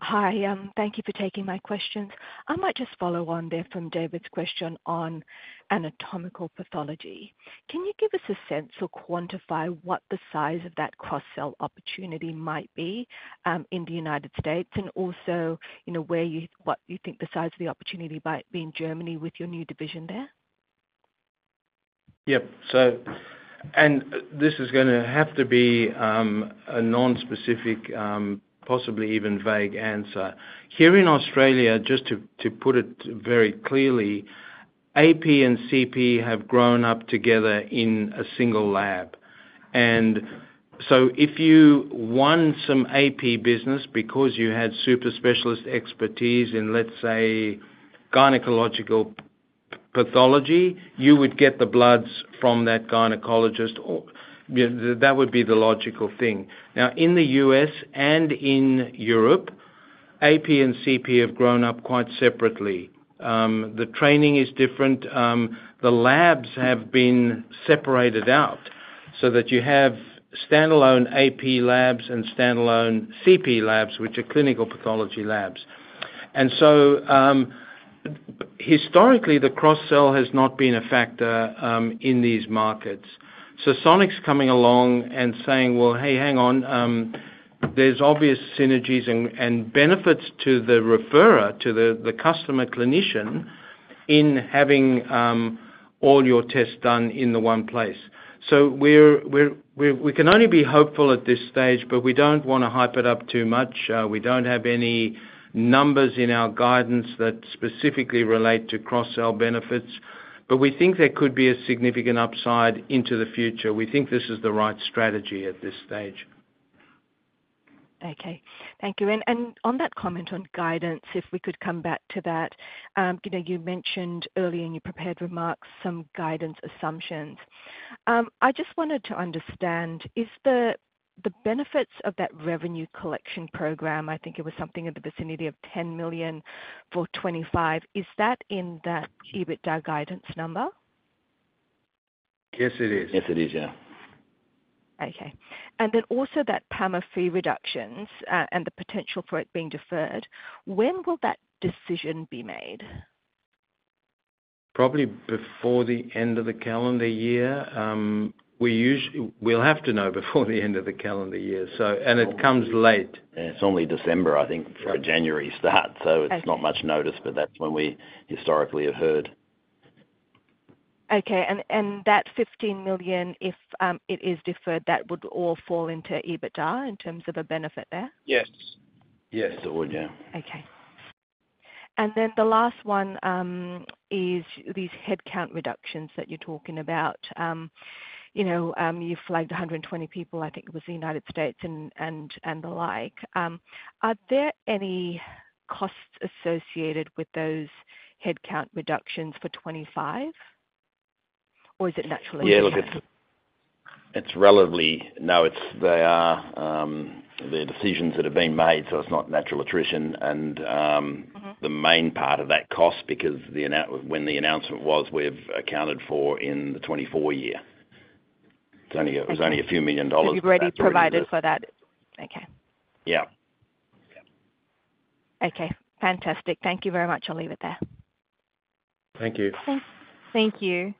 Hi, thank you for taking my questions. I might just follow on there from David's question on anatomical pathology. Can you give us a sense or quantify what the size of that cross-sell opportunity might be in the United States? And also, you know, what you think the size of the opportunity might be in Germany with your new division there? Yep, so and this is gonna have to be, a non-specific, possibly even vague answer. Here in Australia, just to put it very clearly, AP and CP have grown up together in a single lab. And so if you won some AP business because you had super specialist expertise in, let's say, gynecological pathology, you would get the bloods from that gynecologist, or, you know, that would be the logical thing. Now, in the U.S. and in Europe, AP and CP have grown up quite separately. The training is different. The labs have been separated out, so that you have standalone AP labs and standalone CP labs, which are clinical pathology labs. And so, historically, the cross sell has not been a factor, in these markets. Sonic's coming along and saying: Well, hey, hang on, there's obvious synergies and benefits to the referrer, to the customer clinician, in having all your tests done in the one place. So we can only be hopeful at this stage, but we don't wanna hype it up too much. We don't have any numbers in our guidance that specifically relate to cross-sell benefits, but we think there could be a significant upside into the future. We think this is the right strategy at this stage. Okay. Thank you, and on that comment on guidance, if we could come back to that. You know, you mentioned earlier in your prepared remarks some guidance assumptions. I just wanted to understand, is the benefits of that revenue collection program, I think it was something in the vicinity of 10 million for 2025, is that in that EBITDA guidance number? Yes, it is. Yes, it is. Yeah. Okay. And then also that PAMA fee reductions, and the potential for it being deferred, when will that decision be made? Probably before the end of the calendar year. We'll have to know before the end of the calendar year, so. And it comes late. Yeah, it's only December, I think. Right. For a January start, so. Okay. It's not much notice, but that's when we historically have heard. Okay, and that 15 million, if it is deferred, that would all fall into EBITDA in terms of a benefit there? Yes. Yes, it would. Yeah. Okay. And then the last one is these headcount reductions that you're talking about. You know, you flagged 120 people, I think it was the United States and the like. Are there any costs associated with those headcount reductions for 25, or is it natural attrition? Yeah, look, it's relatively. No, it's. They're decisions that have been made, so it's not natural attrition, and. Mm-hmm. The main part of that cost, because when the announcement was, we've accounted for in 2024. Okay. It was only a few million dollars. So you've already provided for that? Okay. Yeah. Yeah. Okay, fantastic. Thank you very much. I'll leave it there. Thank you. Thanks.Thank You.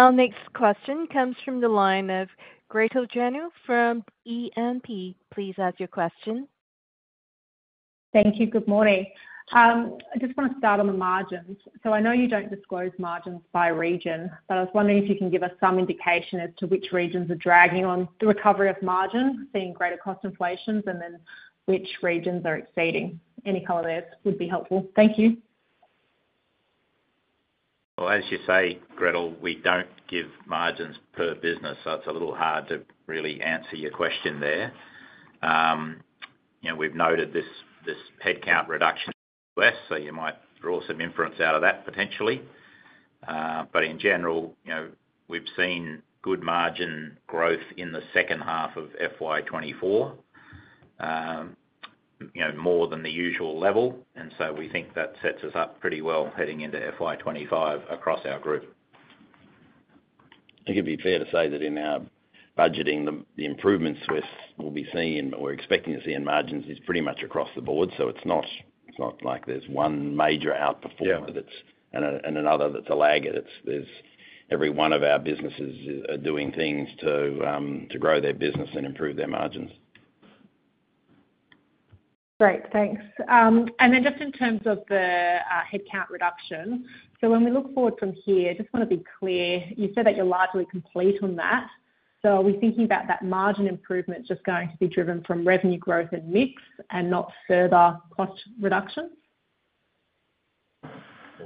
Our next question comes from the line of Gretel Janu from E&P. Please ask your question. Thank you. Good morning. I just wanna start on the margins. So I know you don't disclose margins by region, but I was wondering if you can give us some indication as to which regions are dragging on the recovery of margin, seeing greater cost inflations, and then which regions are exceeding. Any color there would be helpful. Thank you. As you say, Gretel, we don't give margins per business, so it's a little hard to really answer your question there. You know, we've noted this headcount reduction in U.S., so you might draw some inference out of that, potentially. But in general, you know, we've seen good margin growth in the second half of FY 2024, you know, more than the usual level, and so we think that sets us up pretty well heading into FY 2025 across our group. I think it'd be fair to say that in our budgeting, the improvements we'll be seeing, but we're expecting to see in margins is pretty much aross the board. So it's not like there's one major outperformer. Yeah. That's one, and another that's a lagger. It's. There's every one of our businesses are doing things to grow their business and improve their margins. Great, thanks. And then just in terms of the headcount reduction, so when we look forward from here, just wanna be clear: You said that you're largely complete on that, so are we thinking about that margin improvement just going to be driven from revenue growth and mix and not further cost reductions?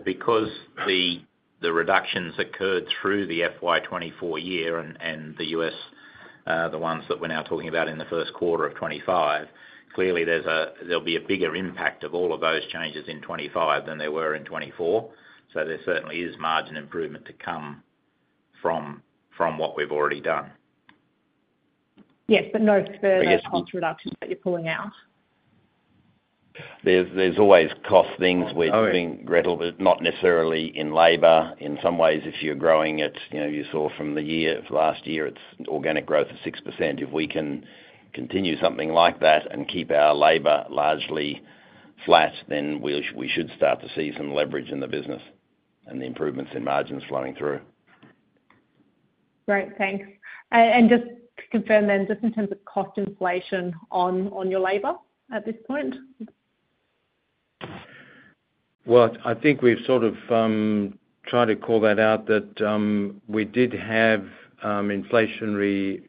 Because the reductions occurred through the FY 2024 year and the U.S., the ones that we're now talking about in the first quarter of 2025, clearly there'll be a bigger impact of all of those changes in 2025 than there were in 2024. So there certainly is margin improvement to come from what we've already done. Yes, but no further. Yes. Cost reductions that you're pulling out? There's always cost things. Always. We're doing, Gretel, but not necessarily in labor. In some ways, if you're growing at, you know, you saw from the year, of last year, it's organic growth of 6%. If we can continue something like that and keep our labor largely flat, then we should start to see some leverage in the business and the improvements in margins flowing through. Great, thanks. And just to confirm then, just in terms of cost inflation on your labor at this point? I think we've sort of tried to call that out, that we did have inflationary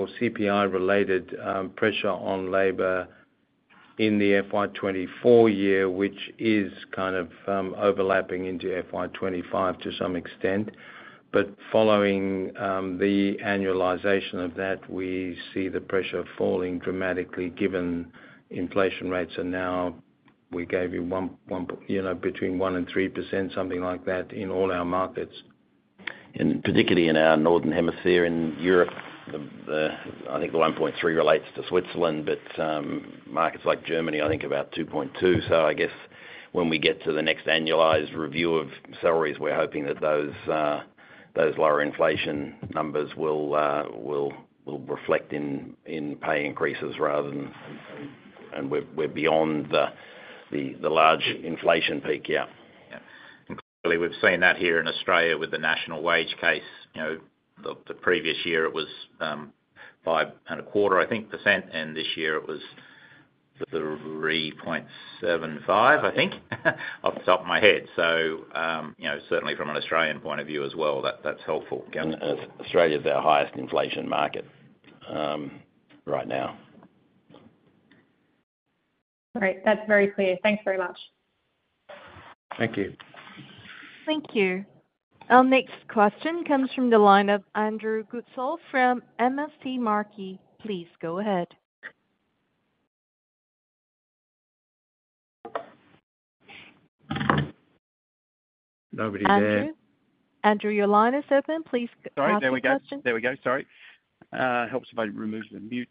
or CPI-related pressure on labor in the FY 2024 year, which is kind of overlapping into FY 2025 to some extent. But following the annualization of that, we see the pressure falling dramatically given inflation rates are now. We gave you one you know between 1%-3%, something like that, in all our markets. And particularly in our northern hemisphere, in Europe, the I think the 1.3 relates to Switzerland, but markets like Germany, I think about 2.2. So I guess when we get to the next annualized review of salaries, we're hoping that those lower inflation numbers will reflect in pay increases rather than. And we're beyond the large inflation peak, yeah. Yeah. And clearly, we've seen that here in Australia with the National Wage Case. You know, the previous year it was five and a quarter, I think, percent, and this year it was 3.75, I think, off the top of my head. So you know, certainly from an Australian point of view as well, that's helpful. And Australia is our highest inflation market right now. All right. That's very clear. Thanks very much. Thank you. Thank you. Our next question comes from the line of Andrew Goodsall from MST Marquee. Please go ahead. Nobody there. Andrew, your line is open. Please. Sorry. There we go. Ask your question. There we go. Sorry. Helps if I remove the mute.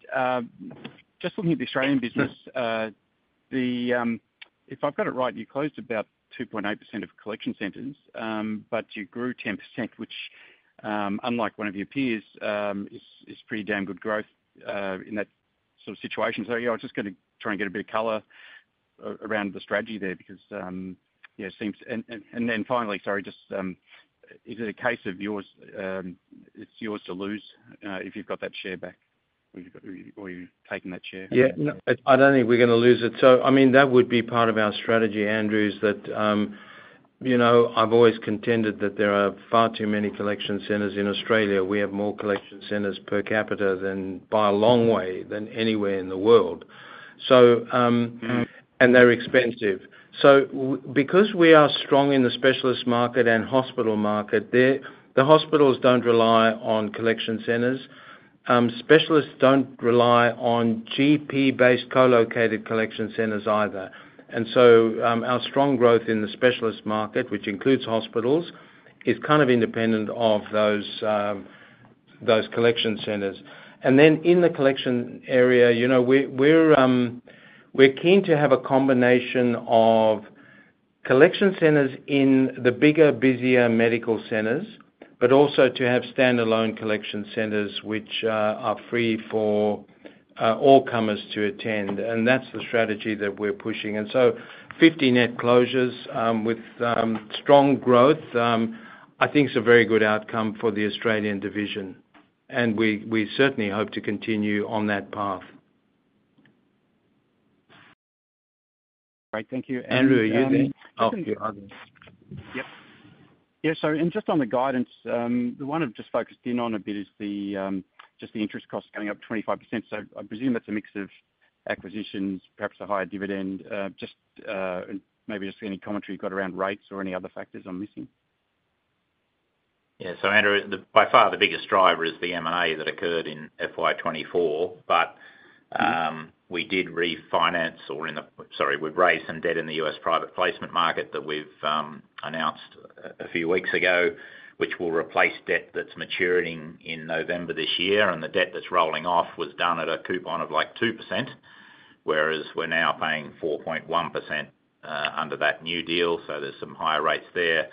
Just looking at the Australian business, if I've got it right, you closed about 2.8% of collection centers, but you grew 10%, which, unlike one of your peers, is pretty damn good growth in that sort of situation. You know, I'm just gonna try and get a bit of color around the strategy there, because, yeah, it seems. And then finally, sorry, just, is it a case of yours, it's yours to lose, if you've got that share back, or you've taken that share? Yeah. No, I don't think we're gonna lose it. So, I mean, that would be part of our strategy, Andrew, is that, you know, I've always contended that there are far too many collection centers in Australia. We have more collection centers per capita than, by a long way, than anywhere in the world. So, Mm-hmm. And they're expensive. So because we are strong in the specialist market and hospital market, the hospitals don't rely on collection centers. Specialists don't rely on GP-based co-located collection centers either. And so, our strong growth in the specialist market, which includes hospitals, is kind of independent of those collection centers. And then in the collection area, you know, we're keen to have a combination of collection centers in the bigger, busier medical centers, but also to have standalone collection centers, which are free for all comers to attend. And that's the strategy that we're pushing. And so 50 net closures with strong growth I think is a very good outcome for the Australian division, and we certainly hope to continue on that path. Great. Thank you. Andrew, are you there? Oh, yep. Yeah, so and just on the guidance, the one I've just focused in on a bit is the, just the interest costs going up 25%. So I presume that's a mix of acquisitions, perhaps a higher dividend, just, maybe just any commentary you've got around rates or any other factors I'm missing? Yeah. So Andrew, by far the biggest driver is the M&A that occurred in FY 2024. Mm-hmm. We've raised some debt in the U.S. private placement market that we've announced a few weeks ago, which will replace debt that's maturing in November this year. And the debt that's rolling off was done at a coupon of, like, 2%, whereas we're now paying 4.1% under that new deal, so there's some higher rates there.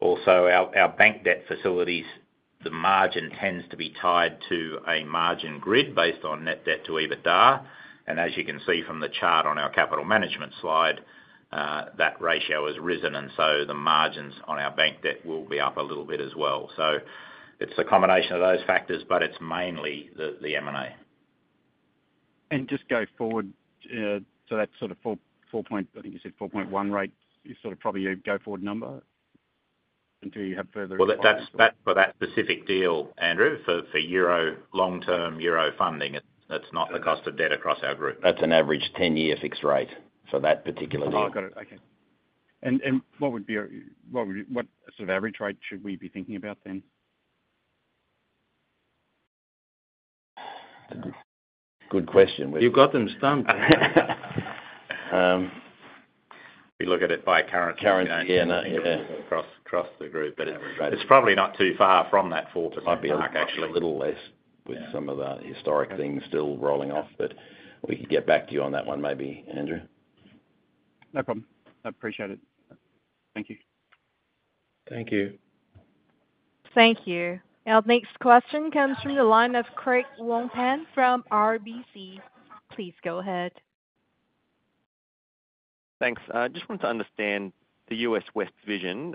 Also, our bank debt facilities, the margin tends to be tied to a margin grid based on net debt to EBITDA. And as you can see from the chart on our capital management slide, that ratio has risen, and so the margins on our bank debt will be up a little bit as well. So it's a combination of those factors, but it's mainly the M&A. And just go forward, so that's sort of 4.1, I think you said, rate is sort of probably your go-forward number until you have further- That's for that specific deal, Andrew, for euro long-term euro funding. That's not the cost of debt across our group. That's an average 10-year fixed rate for that particular deal. Oh, got it. Okay. And what sort of average rate should we be thinking about then? Good question. You've got them stumped. We look at it by current. Current, yeah. Across the group. Average rate. it's probably not too far from that 4% mark, actually. A little less with some of the historic things still rolling off, but we can get back to you on that one, maybe, Andrew. No problem. I appreciate it. Thank you. Thank you. Thank you. Our next question comes from the line of Craig Wong-Pan from RBC. Please go ahead. Thanks. I just wanted to understand the U.S. West Division.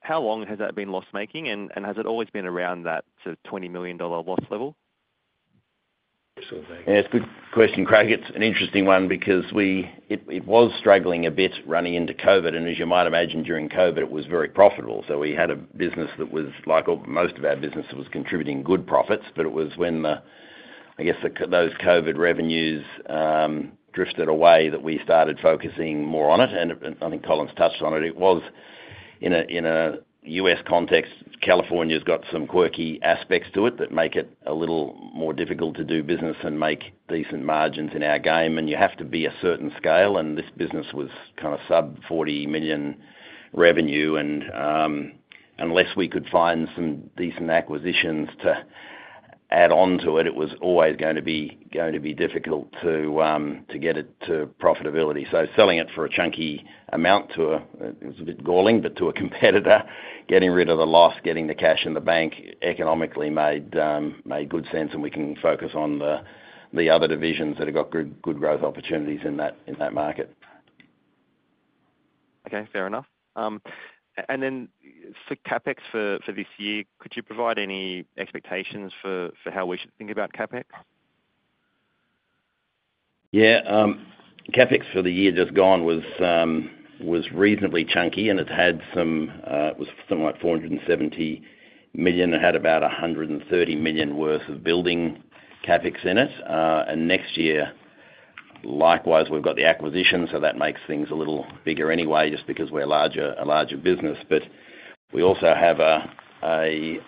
How long has that been loss-making, and has it always been around that sort of $20 million loss level? Yeah, it's a good question, Craig. It's an interesting one because it, it was struggling a bit running into COVID, and as you might imagine, during COVID, it was very profitable. So we had a business that was, like most of our business, was contributing good profits. But it was when the, I guess, those COVID revenues drifted away, that we started focusing more on it. And I think Colin's touched on it. It was in a, in a U.S. context, California's got some quirky aspects to it that make it a little more difficult to do business and make decent margins in our game. And you have to be a certain scale, and this business was kind of sub-$40 million revenue. Unless we could find some decent acquisitions to add on to it, it was always going to be difficult to get it to profitability. So selling it for a chunky amount, it was a bit galling, but to a competitor, getting rid of the loss, getting the cash in the bank, economically made good sense, and we can focus on the other divisions that have got good growth opportunities in that market. Okay, fair enough. And then for CapEx for this year, could you provide any expectations for how we should think about CapEx? Yeah, CapEx for the year just gone was reasonably chunky, and it's had some, it was something like 470 million. It had about 130 million worth of building CapEx in it. And next year, likewise, we've got the acquisition, so that makes things a little bigger anyway, just because we're a larger business. But we also have a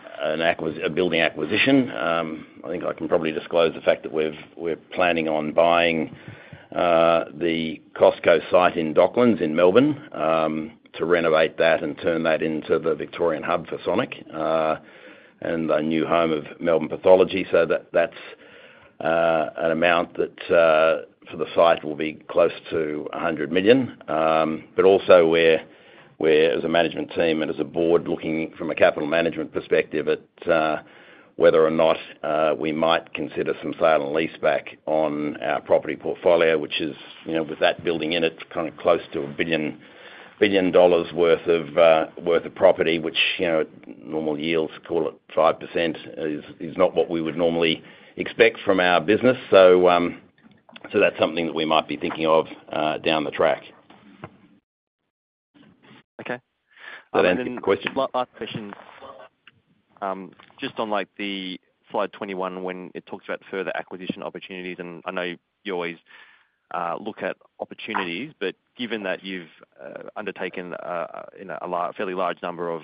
building acquisition. I think I can probably disclose the fact that we're planning on buying the Costco site in Docklands, in Melbourne, to renovate that and turn that into the Victorian hub for Sonic, and the new home of Melbourne Pathology. So that that's an amount that for the site will be close to 100 million. But also we're, as a management team and as a board, looking from a capital management perspective at whether or not we might consider some sale and lease back on our property portfolio, which is, you know, with that building in, it's kind of close to 1 billion dollars worth of property, which, you know, normal yields, call it 5%, is not what we would normally expect from our business. So that's something that we might be thinking of down the track. Okay. Does that answer your question? Last question. Just on, like, the Slide 21, when it talks about further acquisition opportunities, and I know you always look at opportunities, but given that you've undertaken, you know, a fairly large number of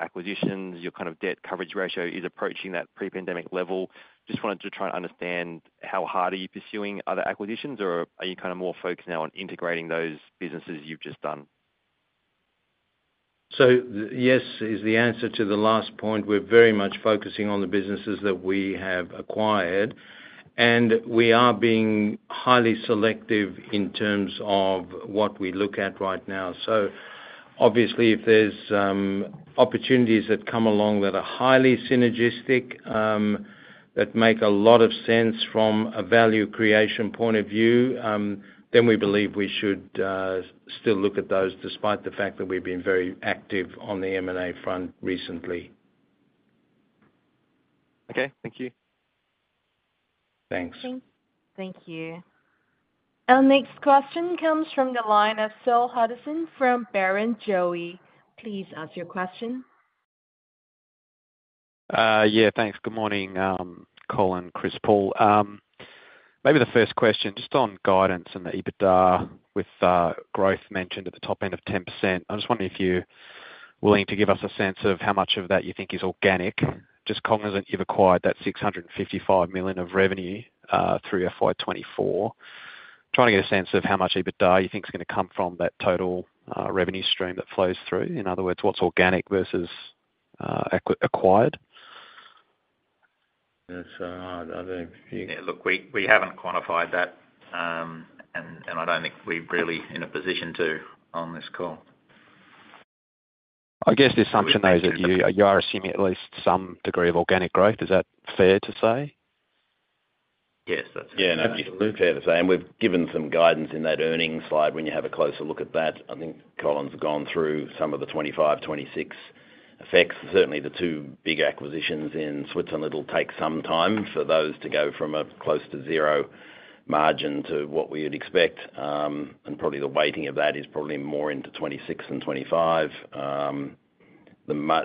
acquisitions, your kind of debt coverage ratio is approaching that pre-pandemic level. Just wanted to try and understand how hard are you pursuing other acquisitions, or are you kind of more focused now on integrating those businesses you've just done? So yes, is the answer to the last point. We're very much focusing on the businesses that we have acquired, and we are being highly selective in terms of what we look at right now. So obviously, if there's opportunities that come along that are highly synergistic, that make a lot of sense from a value creation point of view, then we believe we should still look at those, despite the fact that we've been very active on the M&A front recently. Okay, thank you. Thanks. Thank you. Our next question comes from the line of Saul Hadassin from Barrenjoey. Please ask your question. Yeah, thanks. Good morning, Colin, Chris, Paul. Maybe the first question, just on guidance and the EBITDA with growth mentioned at the top end of 10%. I'm just wondering if you're willing to give us a sense of how much of that you think is organic, just cognizant you've acquired that 655 million of revenue through FY 2024. Trying to get a sense of how much EBITDA you think is gonna come from that total revenue stream that flows through. In other words, what's organic versus acquired? That's, I think you. Yeah, look, we haven't quantified that, and I don't think we're really in a position to on this call. I guess the assumption, though, is that you are assuming at least some degree of organic growth. Is that fair to say? Yes, that's. Yeah, no, fair to say, and we've given some guidance in that earnings slide when you have a closer look at that. I think Colin's gone through some of the 2025, 2026 effects. Certainly, the two big acquisitions in Switzerland, it'll take some time for those to go from a close to zero margin to what we would expect, and probably the weighting of that is probably more into 2026 than 2025.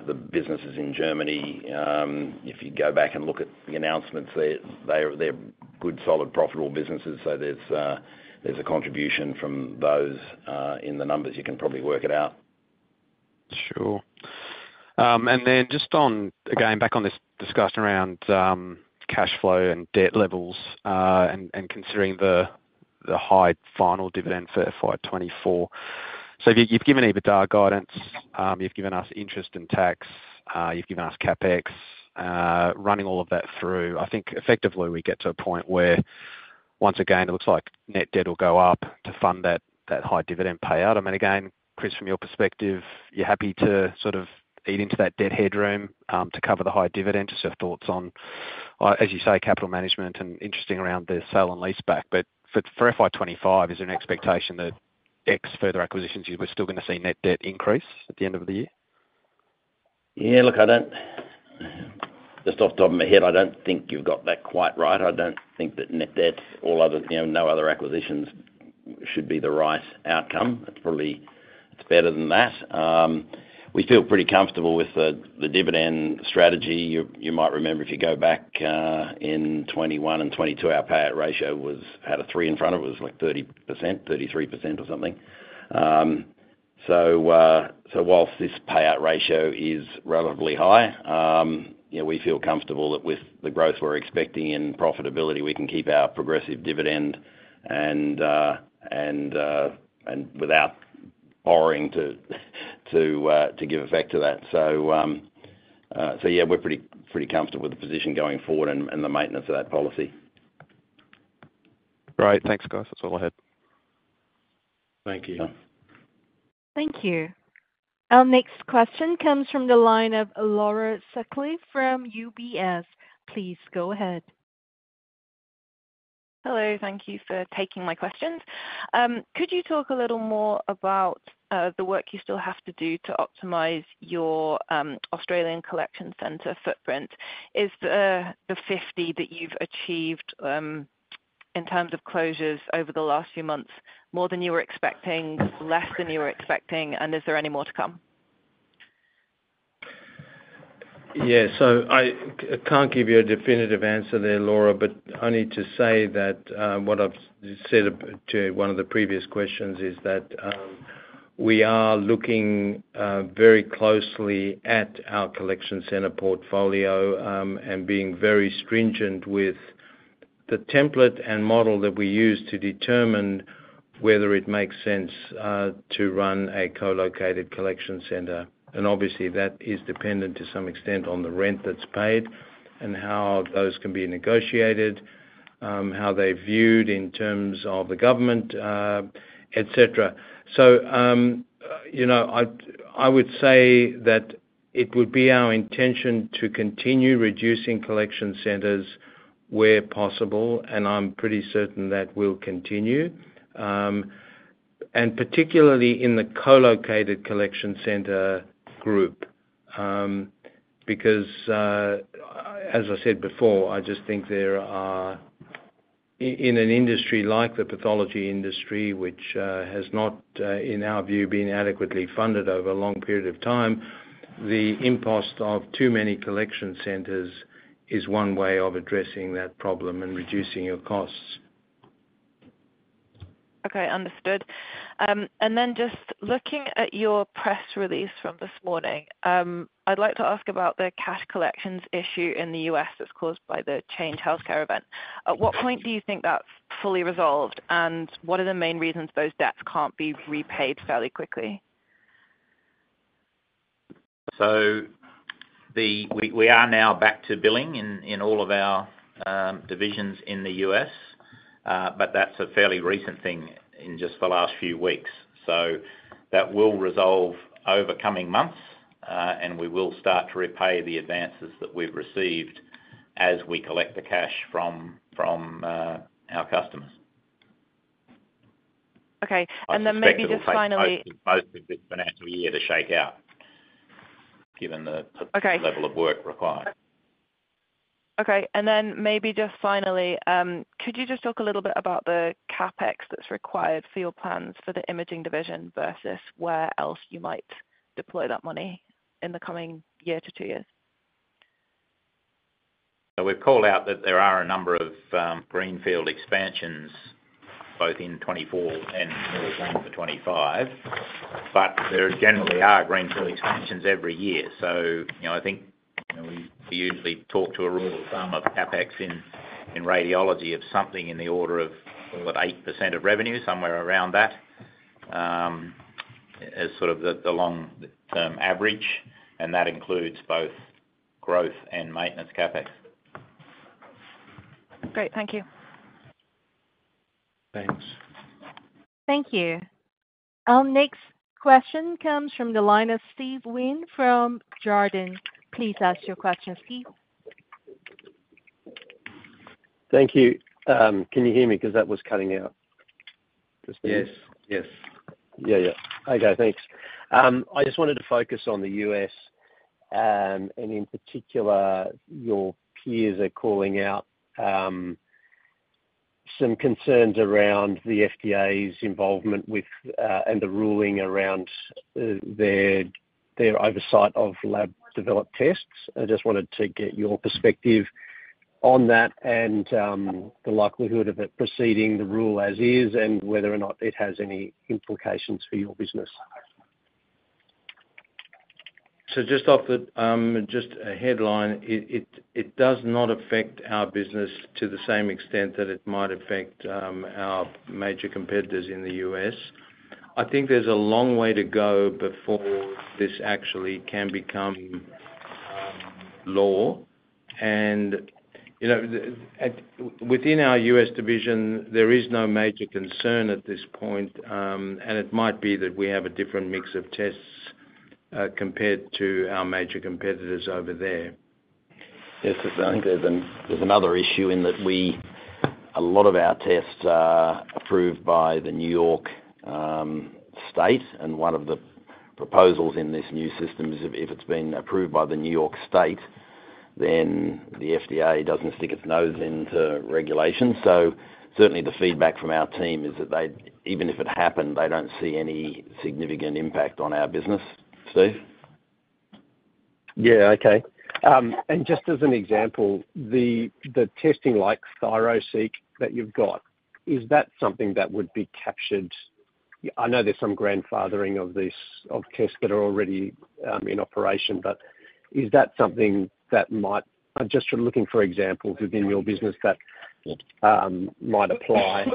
The businesses in Germany, if you go back and look at the announcements, they're good, solid, profitable businesses. So there's a contribution from those in the numbers. You can probably work it out. Sure. And then just on, again, back on this discussion around cash flow and debt levels, and considering the high final dividend for FY 2024. So you've given EBITDA guidance, you've given us interest and tax, you've given us CapEx. Running all of that through, I think effectively we get to a point where, once again, it looks like net debt will go up to fund that high dividend payout. I mean, again, Chris, from your perspective, you're happy to sort of eat into that debt headroom to cover the high dividend? Just have thoughts on, as you say, capital management and interest around the sale and leaseback. But for FY 2025, is there an expectation that any further acquisitions, we're still gonna see net debt increase at the end of the year? Yeah, look, I don't, just off the top of my head, I don't think you've got that quite right. I don't think that net debt all other, you know, no other acquisitions should be the right outcome. It's probably, it's better than that. We feel pretty comfortable with the dividend strategy. You might remember, if you go back in 2021 and 2022, our payout ratio was, had a three in front of it. It was like 30%, 33% or something. So while this payout ratio is relatively high, you know, we feel comfortable that with the growth we're expecting in profitability, we can keep our progressive dividend and without borrowing to give effect to that. So yeah, we're pretty comfortable with the position going forward and the maintenance of that policy. Great. Thanks, guys. That's all I had. Thank you. Yeah. Thank you. Our next question comes from the line of Laura Sutcliffe from UBS. Please go ahead. Hello. Thank you for taking my questions. Could you talk a little more about the work you still have to do to optimize your Australian collection center footprint? Is the 50 that you've achieved in terms of closures over the last few months more than you were expecting, less than you were expecting, and is there any more to come? Yeah. So I can't give you a definitive answer there, Laura, but only to say that what I've said to one of the previous questions is that we are looking very closely at our collection center portfolio and being very stringent with the template and model that we use to determine whether it makes sense to run a co-located collection center. And obviously, that is dependent to some extent on the rent that's paid and how those can be negotiated, how they're viewed in terms of the government, et cetera. So you know, I would say that it would be our intention to continue reducing collection centers where possible, and I'm pretty certain that will continue. And particularly in the co-located collection center group because, as I said before, I just think there are. In an industry like the pathology industry, which has not, in our view, been adequately funded over a long period of time, the impost of too many collection centers is one way of addressing that problem and reducing your costs. Okay, understood. And then just looking at your press release from this morning, I'd like to ask about the cash collections issue in the U.S. that's caused by the changed healthcare event. At what point do you think that's fully resolved? And what are the main reasons those debts can't be repaid fairly quickly? So, we are now back to billing in all of our divisions in the U.S., but that's a fairly recent thing in just the last few weeks. So that will resolve over coming months, and we will start to repay the advances that we've received as we collect the cash from our customers. Okay, and then maybe just finally. I suspect it will take most of this financial year to shake out, given the. Okay. The level of work required. Okay, and then maybe just finally, could you just talk a little bit about the CapEx that's required for your plans for the imaging division versus where else you might deploy that money in the coming year to two years? So we've called out that there are a number of greenfield expansions, both in 2024 and 2024 to 2025, but there generally are greenfield expansions every year. So you know, I think, you know, we usually talk to a rule of thumb of CapEx in radiology of something in the order of about 8% of revenue, somewhere around that, as sort of the long-term average, and that includes both growth and maintenance CapEx. Great. Thank you. Thanks. Thank you. Our next question comes from the line of Steve Wheen from Jarden. Please ask your question, Steve. Thank you. Can you hear me? Because that was cutting out. Just. Yes. Yes. Yeah, yeah. Okay, thanks. I just wanted to focus on the U.S., and in particular, your peers are calling out some concerns around the FDA's involvement with, and the ruling around, their oversight of lab-developed tests. I just wanted to get your perspective on that and, the likelihood of it proceeding the rule as is, and whether or not it has any implications for your business. So just off the headline, it does not affect our business to the same extent that it might affect our major competitors in the U.S. I think there's a long way to go before this actually can become law. And, you know, within our U.S. division, there is no major concern at this point, and it might be that we have a different mix of tests compared to our major competitors over there. Yes, I think there's another issue in that we a lot of our tests are approved by the New York State, and one of the proposals in this new system is if it's been approved by the New York State, then the FDA doesn't stick its nose into regulation. So certainly the feedback from our team is that they, even if it happened, they don't see any significant impact on our business. Steve? Yeah, okay, and just as an example, the testing, like ThyroSeq, that you've got, is that something that would be captured? I know there's some grandfathering of this, of tests that are already in operation, but is that something that might. I'm just sort of looking for examples within your business that might apply.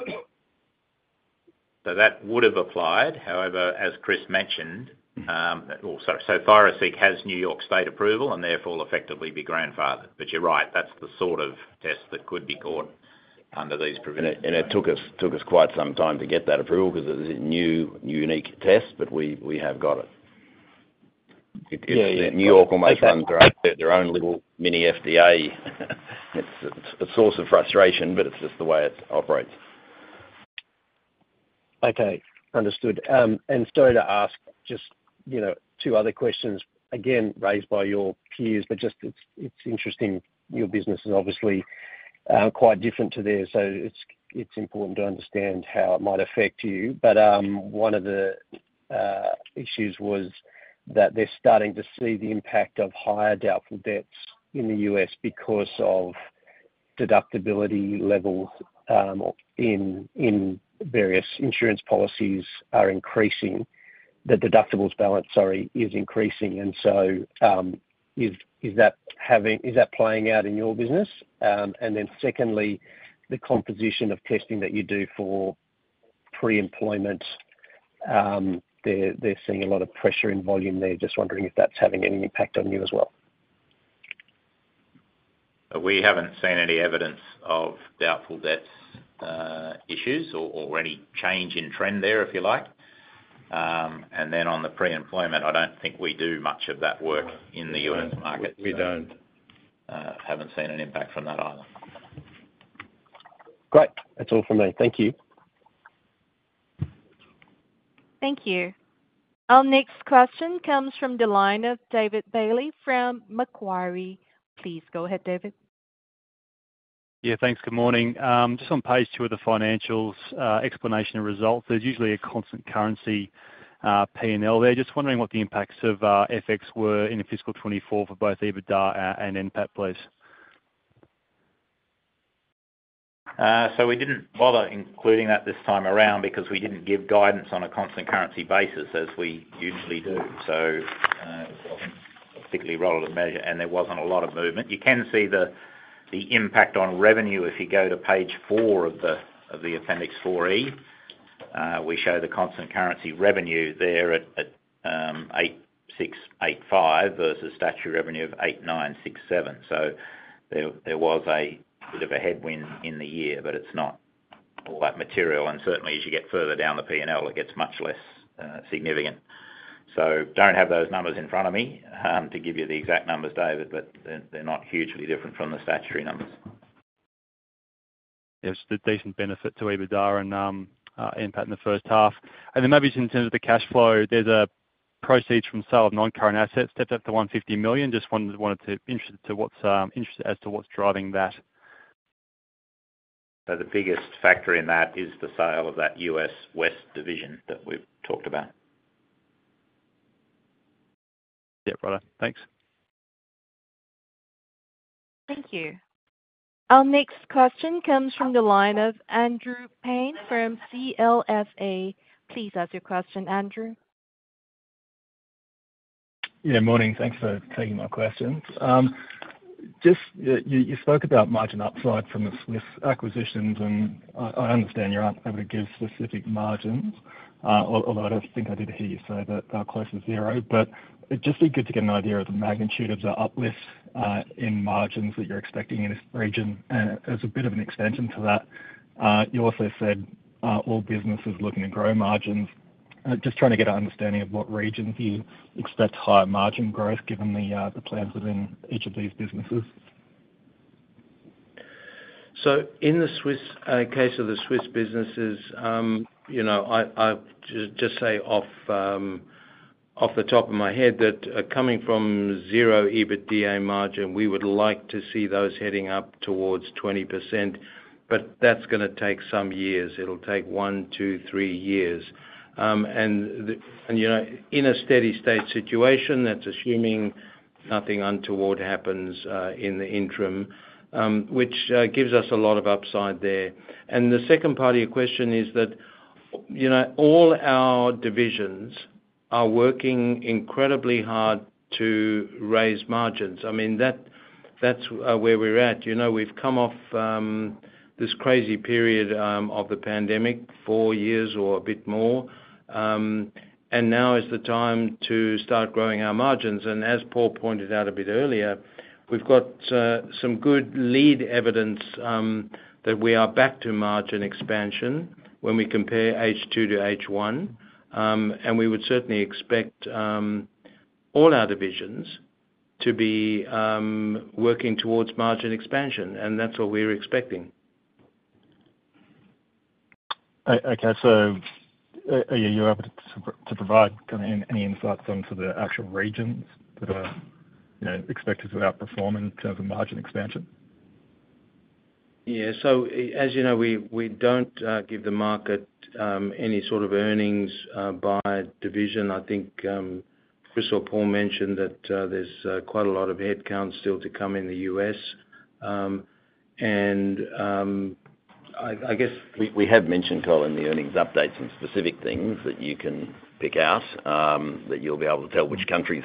So that would have applied. However, as Chris mentioned, so ThyroSeq has New York State approval and therefore effectively be grandfathered. But you're right, that's the sort of test that could be caught under these provisions. And it took us quite some time to get that approval because it was a new, unique test, but we have got it. Yeah, yeah. New York almost runs their own little mini FDA. It's a source of frustration, but it's just the way it operates. Okay, understood. And sorry to ask just, you know, two other questions, again, raised by your peers, but just it's interesting. Your business is obviously quite different to theirs, so it's important to understand how it might affect you. But one of the issues was that they're starting to see the impact of higher doubtful debts in the U.S. because of deductible levels in various insurance policies are increasing. The deductible balances, sorry, is increasing. And so, is that playing out in your business? And then secondly, the composition of testing that you do for pre-employment, they're seeing a lot of pressure in volume there. Just wondering if that's having any impact on you as well. We haven't seen any evidence of doubtful debts, issues or any change in trend there, if you like, and then on the pre-employment, I don't think we do much of that work in the U.S. market. We don't. Haven't seen an impact from that either. Great. That's all from me. Thank you. Thank you. Our next question comes from the line of David Bailey from Macquarie. Please go ahead, David. Yeah, thanks. Good morning. Just on page two of the financials, explanation of results, there's usually a constant currency P&L there. Just wondering what the impacts of FX were in the fiscal 2024 for both EBITDA and NPAT, please? So we didn't bother including that this time around because we didn't give guidance on a constant currency basis as we usually do. So, particularly relevant measure, and there wasn't a lot of movement. You can see the impact on revenue if you go to page 4 of the Appendix 4E. We show the constant currency revenue there at 8,685 versus statutory revenue of 8,967. So there was a bit of a headwind in the year, but it's not all that material. And certainly, as you get further down the P&L, it gets much less significant. So don't have those numbers in front of me to give you the exact numbers, David, but they're not hugely different from the statutory numbers. Yes, the decent benefit to EBITDA and NPAT in the first half. And then maybe just in terms of the cash flow, there's a proceeds from sale of non-current assets stepped up to 150 million. Just interested as to what's driving that. So the biggest factor in that is the sale of that U.S. West division that we've talked about. Yeah, right. Thanks. Thank you. Our next question comes from the line of Andrew Paine from CLSA. Please ask your question, Andrew. Yeah, morning. Thanks for taking my questions. Just, you spoke about margin upside from the Swiss acquisitions, and I understand you're not able to give specific margins, although I think I did hear you say that they're close to zero, but it'd just be good to get an idea of the magnitude of the uplift in margins that you're expecting in this region, and as a bit of an extension to that, you also said all businesses looking to grow margins. Just trying to get an understanding of what regions you expect higher margin growth, given the plans within each of these businesses. In the Swiss case of the Swiss businesses, you know, I just say off the top of my head, that coming from zero EBITDA margin, we would like to see those heading up towards 20%, but that's gonna take some years. It'll take one to three years. And, you know, in a steady state situation, that's assuming nothing untoward happens in the interim, which gives us a lot of upside there. And the second part of your question is that, you know, all our divisions are working incredibly hard to raise margins. I mean, that's where we're at. You know, we've come off this crazy period of the pandemic, four years or a bit more, and now is the time to start growing our margins. And as Paul pointed out a bit earlier, we've got some good lead evidence that we are back to margin expansion when we compare H2 to H1, and we would certainly expect all our divisions to be working towards margin expansion, and that's what we're expecting. Okay, so, are you able to provide kind of any insights on to the actual regions that are, you know, expected to outperforming in terms of margin expansion? Yeah. So, as you know, we don't give the market any sort of earnings by division. I think Chris or Paul mentioned that, there's quite a lot of headcounts still to come in the U.S. And, I guess. We have mentioned, Colin, the earnings updates and specific things that you can pick out that you'll be able to tell which countries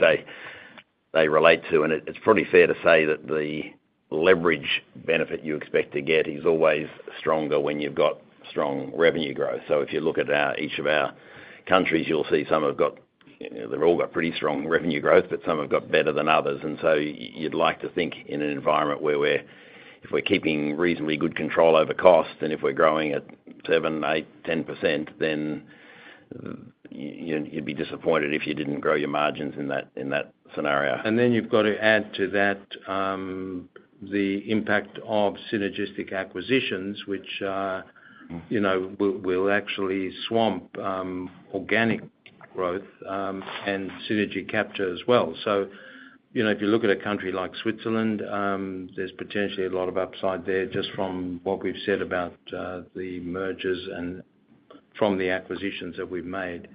they relate to. And it's probably fair to say that the leverage benefit you expect to get is always stronger when you've got strong revenue growth. So if you look at each of our countries, you'll see some have got. You know, they've all got pretty strong revenue growth, but some have got better than others. And so you'd like to think in an environment where we're, if we're keeping reasonably good control over cost, and if we're growing at 7, 8, 10%, then you'd be disappointed if you didn't grow your margins in that scenario. And then you've got to add to that, the impact of synergistic acquisitions, which, you know, will actually swamp organic growth, and synergy capture as well. So, you know, if you look at a country like Switzerland, there's potentially a lot of upside there, just from what we've said about the mergers and from the acquisitions that we've made.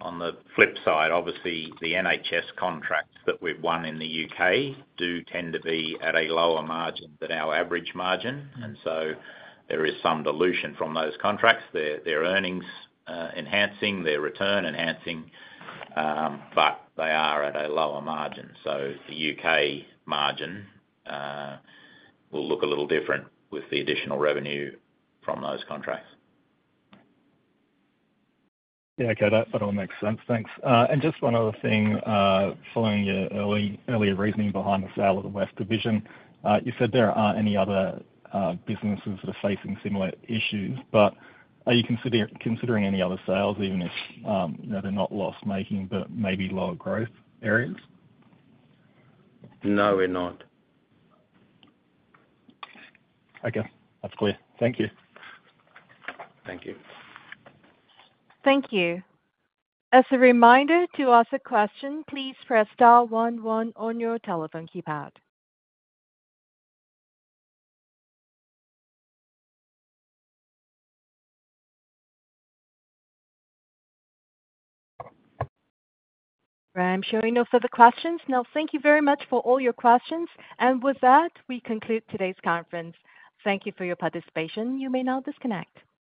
On the flip side, obviously, the NHS contracts that we've won in the U.K. do tend to be at a lower margin than our average margin. And so there is some dilution from those contracts. They're earnings enhancing, return enhancing, but they are at a lower margin. So the U.K. margin will look a little different with the additional revenue from those contracts. Yeah. Okay, that all makes sense. Thanks. And just one other thing, following your earlier reasoning behind the sale of the West Division. You said there aren't any other businesses that are facing similar issues, but are you considering any other sales, even if, you know, they're not loss making but maybe lower growth areas? No, we're not. Okay. That's clear. Thank you. Thank you. Thank you. As a reminder, to ask a question, please press star one one on your telephone keypad. I'm showing no further questions now. Thank you very much for all your questions and with that, we conclude today's conference. Thank you for your participation. You may now disconnect.